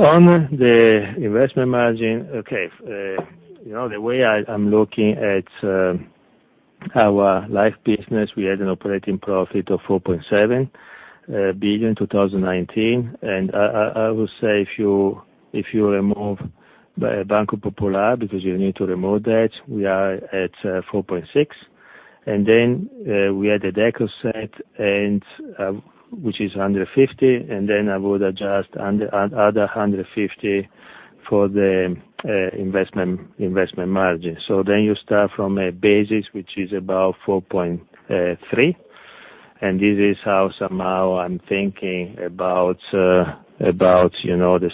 On the investment margin. Okay. The way I'm looking at our Life business, we had an operating profit of 4.7 billion in 2019. I would say if you remove Banco Popular, because you need to remove that, we are at 4.6 billion. Then we had a DAC reset, which is 150 million; then I would adjust the other 150 million for the investment margin. Then you start from a basis, which is about 4.3 billion, and this is how somehow I'm thinking about the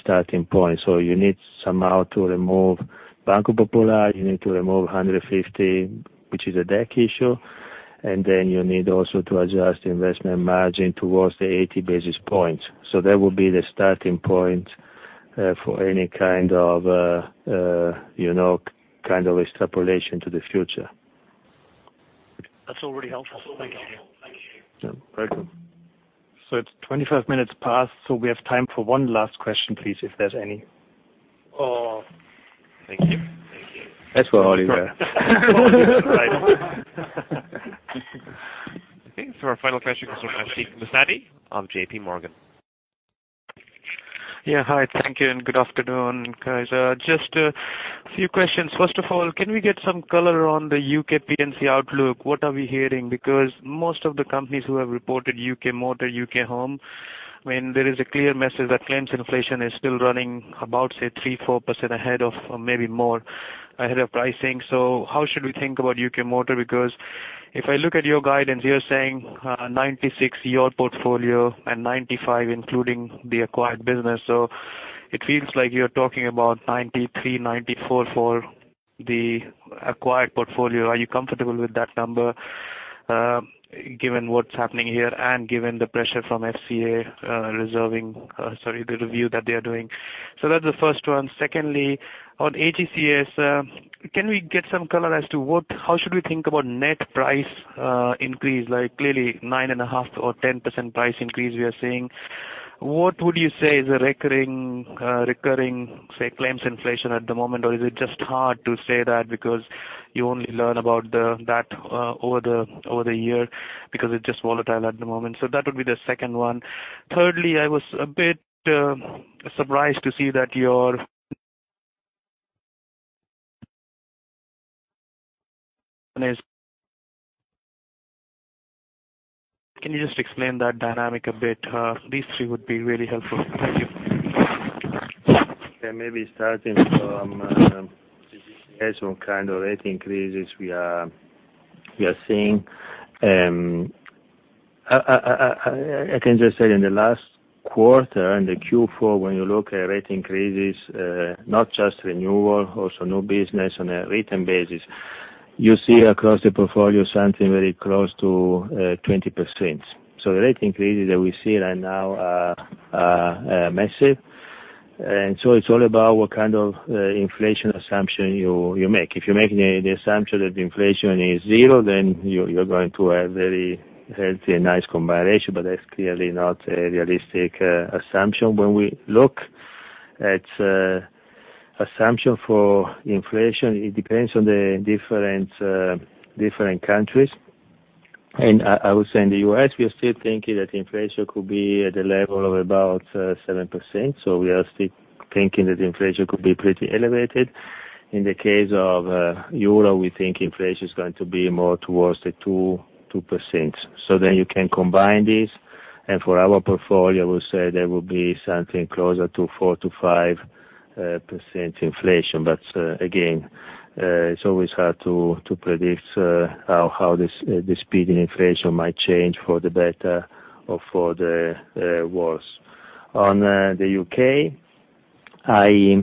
starting point. You need somehow to remove Banco Popular; you need to remove 150, which is a DAC issue, and then you need also to adjust the investment margin towards the 80 basis points. That would be the starting point for any kind of extrapolation to the future. That's all really helpful. Thank you. Yeah. Welcome. It's 25 minutes past, so we have time for one last question, please, if there is any. Thank you. Let's go, Oliver. Okay. Our final question comes from Ashik Musaddi of JPMorgan. Hi. Thank you. Good afternoon, guys. Few questions. First of all, can we get some color on the U.K. P&C outlook? What are we hearing? Most of the companies who have reported U.K. motor, U.K. home, there is a clear message that claims inflation is still running about, say, 3% or 4% ahead of, or maybe more ahead of, pricing. How should we think about U.K. motor? If I look at your guidance, you're saying 96% of your portfolio and 95% including the acquired business. It feels like you're talking about 93%, 94% for the acquired portfolio. Are you comfortable with that number, given what's happening here and given the pressure from FCA reserving—sorry, the review that they are doing? That's the first one. Secondly, on AGCS, can we get some color as to how we should think about net price increase? Clearly, a 9.5% or 10% price increase is what we are seeing. What would you say is recurring claims inflation at the moment? Is it just hard to say that because you only learned about that over the year because it's just volatile at the moment? That would be the second one. Thirdly, I was a bit surprised to see that your. Can you just explain that dynamic a bit? These three would be really helpful. Thank you. Maybe starting from AGCS on the kind of rate increases we are seeing. I can just say in the last quarter, in Q4, when you look at rate increases, not just renewal but also new business on a written basis, you see across the portfolio something very close to the 20% range. The rate increases that we see right now are massive. It's all about what kind of inflation assumption you make. If you're making the assumption that inflation is zero, then you're going to have a very healthy and nice combination, but that's clearly not a realistic assumption. When we look at assumptions for inflation, it depends on the different countries. I would say in the U.S., we are still thinking that inflation could be at a level of about 7%. We are still thinking that inflation could be pretty elevated. In the case of the euro, we think inflation is going to be more towards the 2%. You can combine these; for our portfolio, we say there will be something closer to 4%-5% inflation. Again, it's always hard to predict how the speed in inflation might change for the better or for the worse. In the U.K., I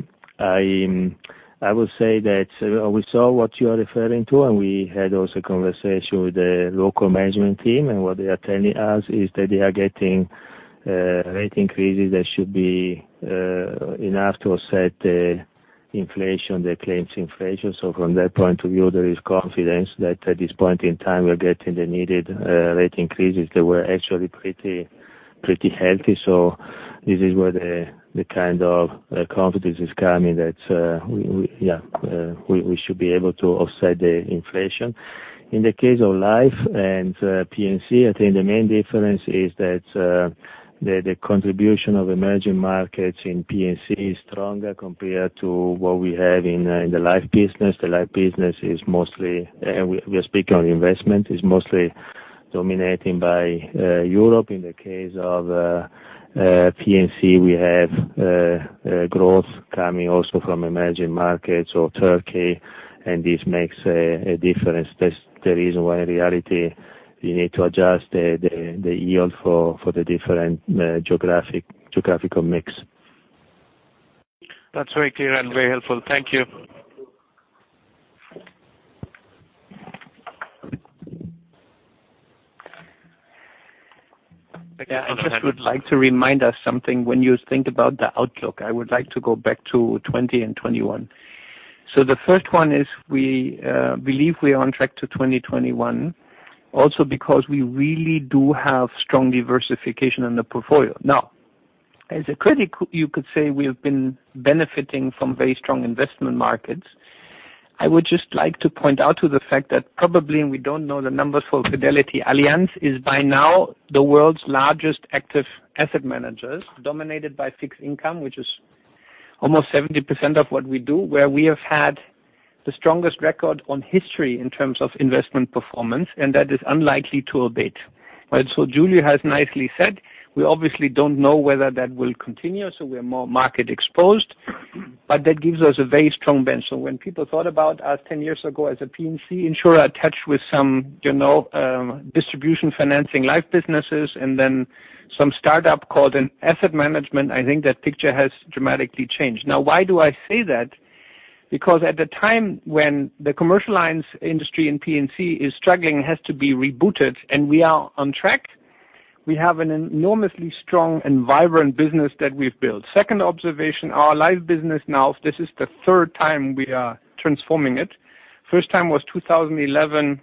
would say that we saw what you are referring to, and we had also a conversation with the local management team. What they are telling us is that they are getting rate increases that should be enough to offset the inflation, the claims' inflation. From that point of view, there is confidence that at this point in time, we are getting the needed rate increases that were actually pretty healthy. This is where the kind of confidence is coming from that, yeah, we should be able to offset the inflation. In the case of life and P&C, I think the main difference is that the contribution of emerging markets in P&C is stronger compared to what we have in the life business. The life business, mostly we are speaking of investment, is mostly dominated by Europe. In the case of P&C, we have growth coming also from emerging markets or Turkey, and this makes a difference. That's the reason why in reality, you need to adjust the yield for the different geographical mix. That's very clear and very helpful. Thank you. Yeah. I just would like to remind us of something. When you think about the outlook, I would like to go back to 2020 and 2021. The first one is we believe we are on track for 2021 also because we really do have strong diversification in the portfolio. Now, as a critic, you could say we have been benefiting from very strong investment markets. I would just like to point out the fact that probably, and we don't know the numbers for Fidelity, Allianz is by now the world's largest active asset manager, dominated by fixed income, which is almost 70% of what we do, where we have had the strongest record in history in terms of investment performance, and that is unlikely to abate. Right? As Giulio has nicely said, we obviously don't know whether that will continue, so we are more market exposed, but that gives us a very strong bench. When people thought about us 10 years ago as a P&C insurer attached with some distribution financing life businesses and then some startup called "asset management," I think that picture has dramatically changed. Why do I say that? At the time when the commercial alliance industry and P&C are struggling and have to be rebooted and we are on track, we have an enormously strong and vibrant business that we've built. Second observation: our life business now, this is the third time we are transforming it. First time was 2011, 2010,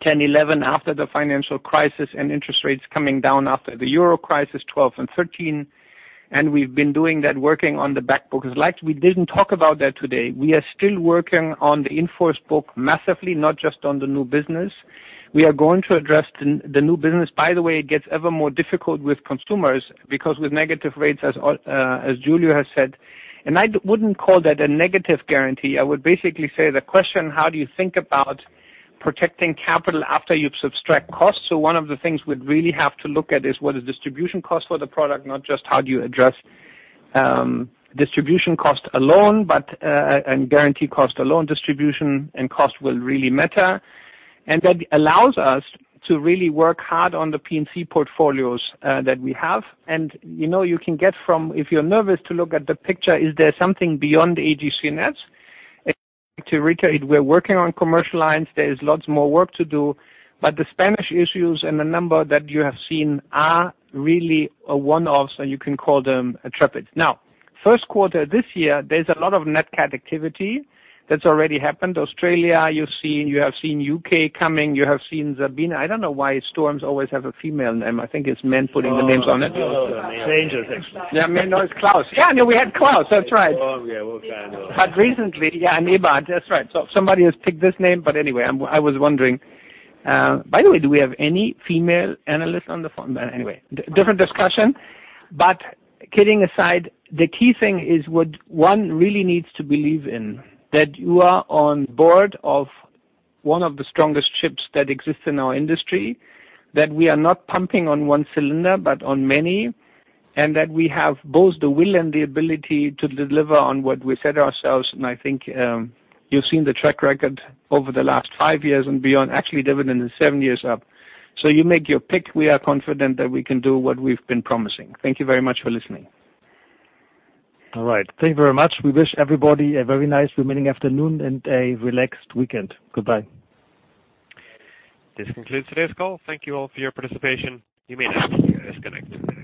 2011, after the financial crisis and interest rates coming down after the Euro crisis; 2012 and 2013. We've been doing that, working on the back books. Like we didn't talk about that today. We are still working on the in-force book massively, not just on the new business. We are going to address the new business. It gets ever more difficult with consumers because of negative rates, as Giulio has said. I wouldn't call that a negative guarantee. I would basically say the question is, how do you think about protecting capital after you've subtracted costs? One of the things we'd really have to look at is what is distribution cost for the product is, not just how do you address distribution cost alone and guarantee cost alone. Distribution and cost will really matter. That allows us to really work hard on the P&C portfolios that we have. You can get from, if you're nervous to look at the picture, is there something beyond AGCS Net? To reiterate, we're working on commercial lines. There is lots more work to do. The Spanish issues and the number that you have seen are really a one-off, so you can call them a "trep." First quarter this year, there's a lot of nat cat activity that's already happened. Australia, you have seen the U.K. coming. You have seen Sabine. I don't know why storms always have a female name. I think it's men putting the names on it. Oh. Changes actually. Yeah, maybe that was Klaus. Yeah, no, we had Klaus. That's right. Oh, yeah. Had recently, yeah, Anniba]. That's right. Somebody has picked this name. Anyway, I was wondering. By the way, do we have any female analyst on the phone? Anyway, different discussion. Kidding aside, the key thing is what one really needs to believe in: that you are on board of one of the strongest ships that exists in our industry, that we are not pumping on one cylinder but on many, and that we have both the will and the ability to deliver on what we said ourselves. I think you've seen the track record over the last five years and beyond. Actually, the dividend is seven years up. You make your pick. We are confident that we can do what we've been promising. Thank you very much for listening. All right. Thank you very much. We wish everybody a very nice remaining afternoon and a relaxed weekend. Goodbye. This concludes today's call. Thank you all for your participation. You may now disconnect.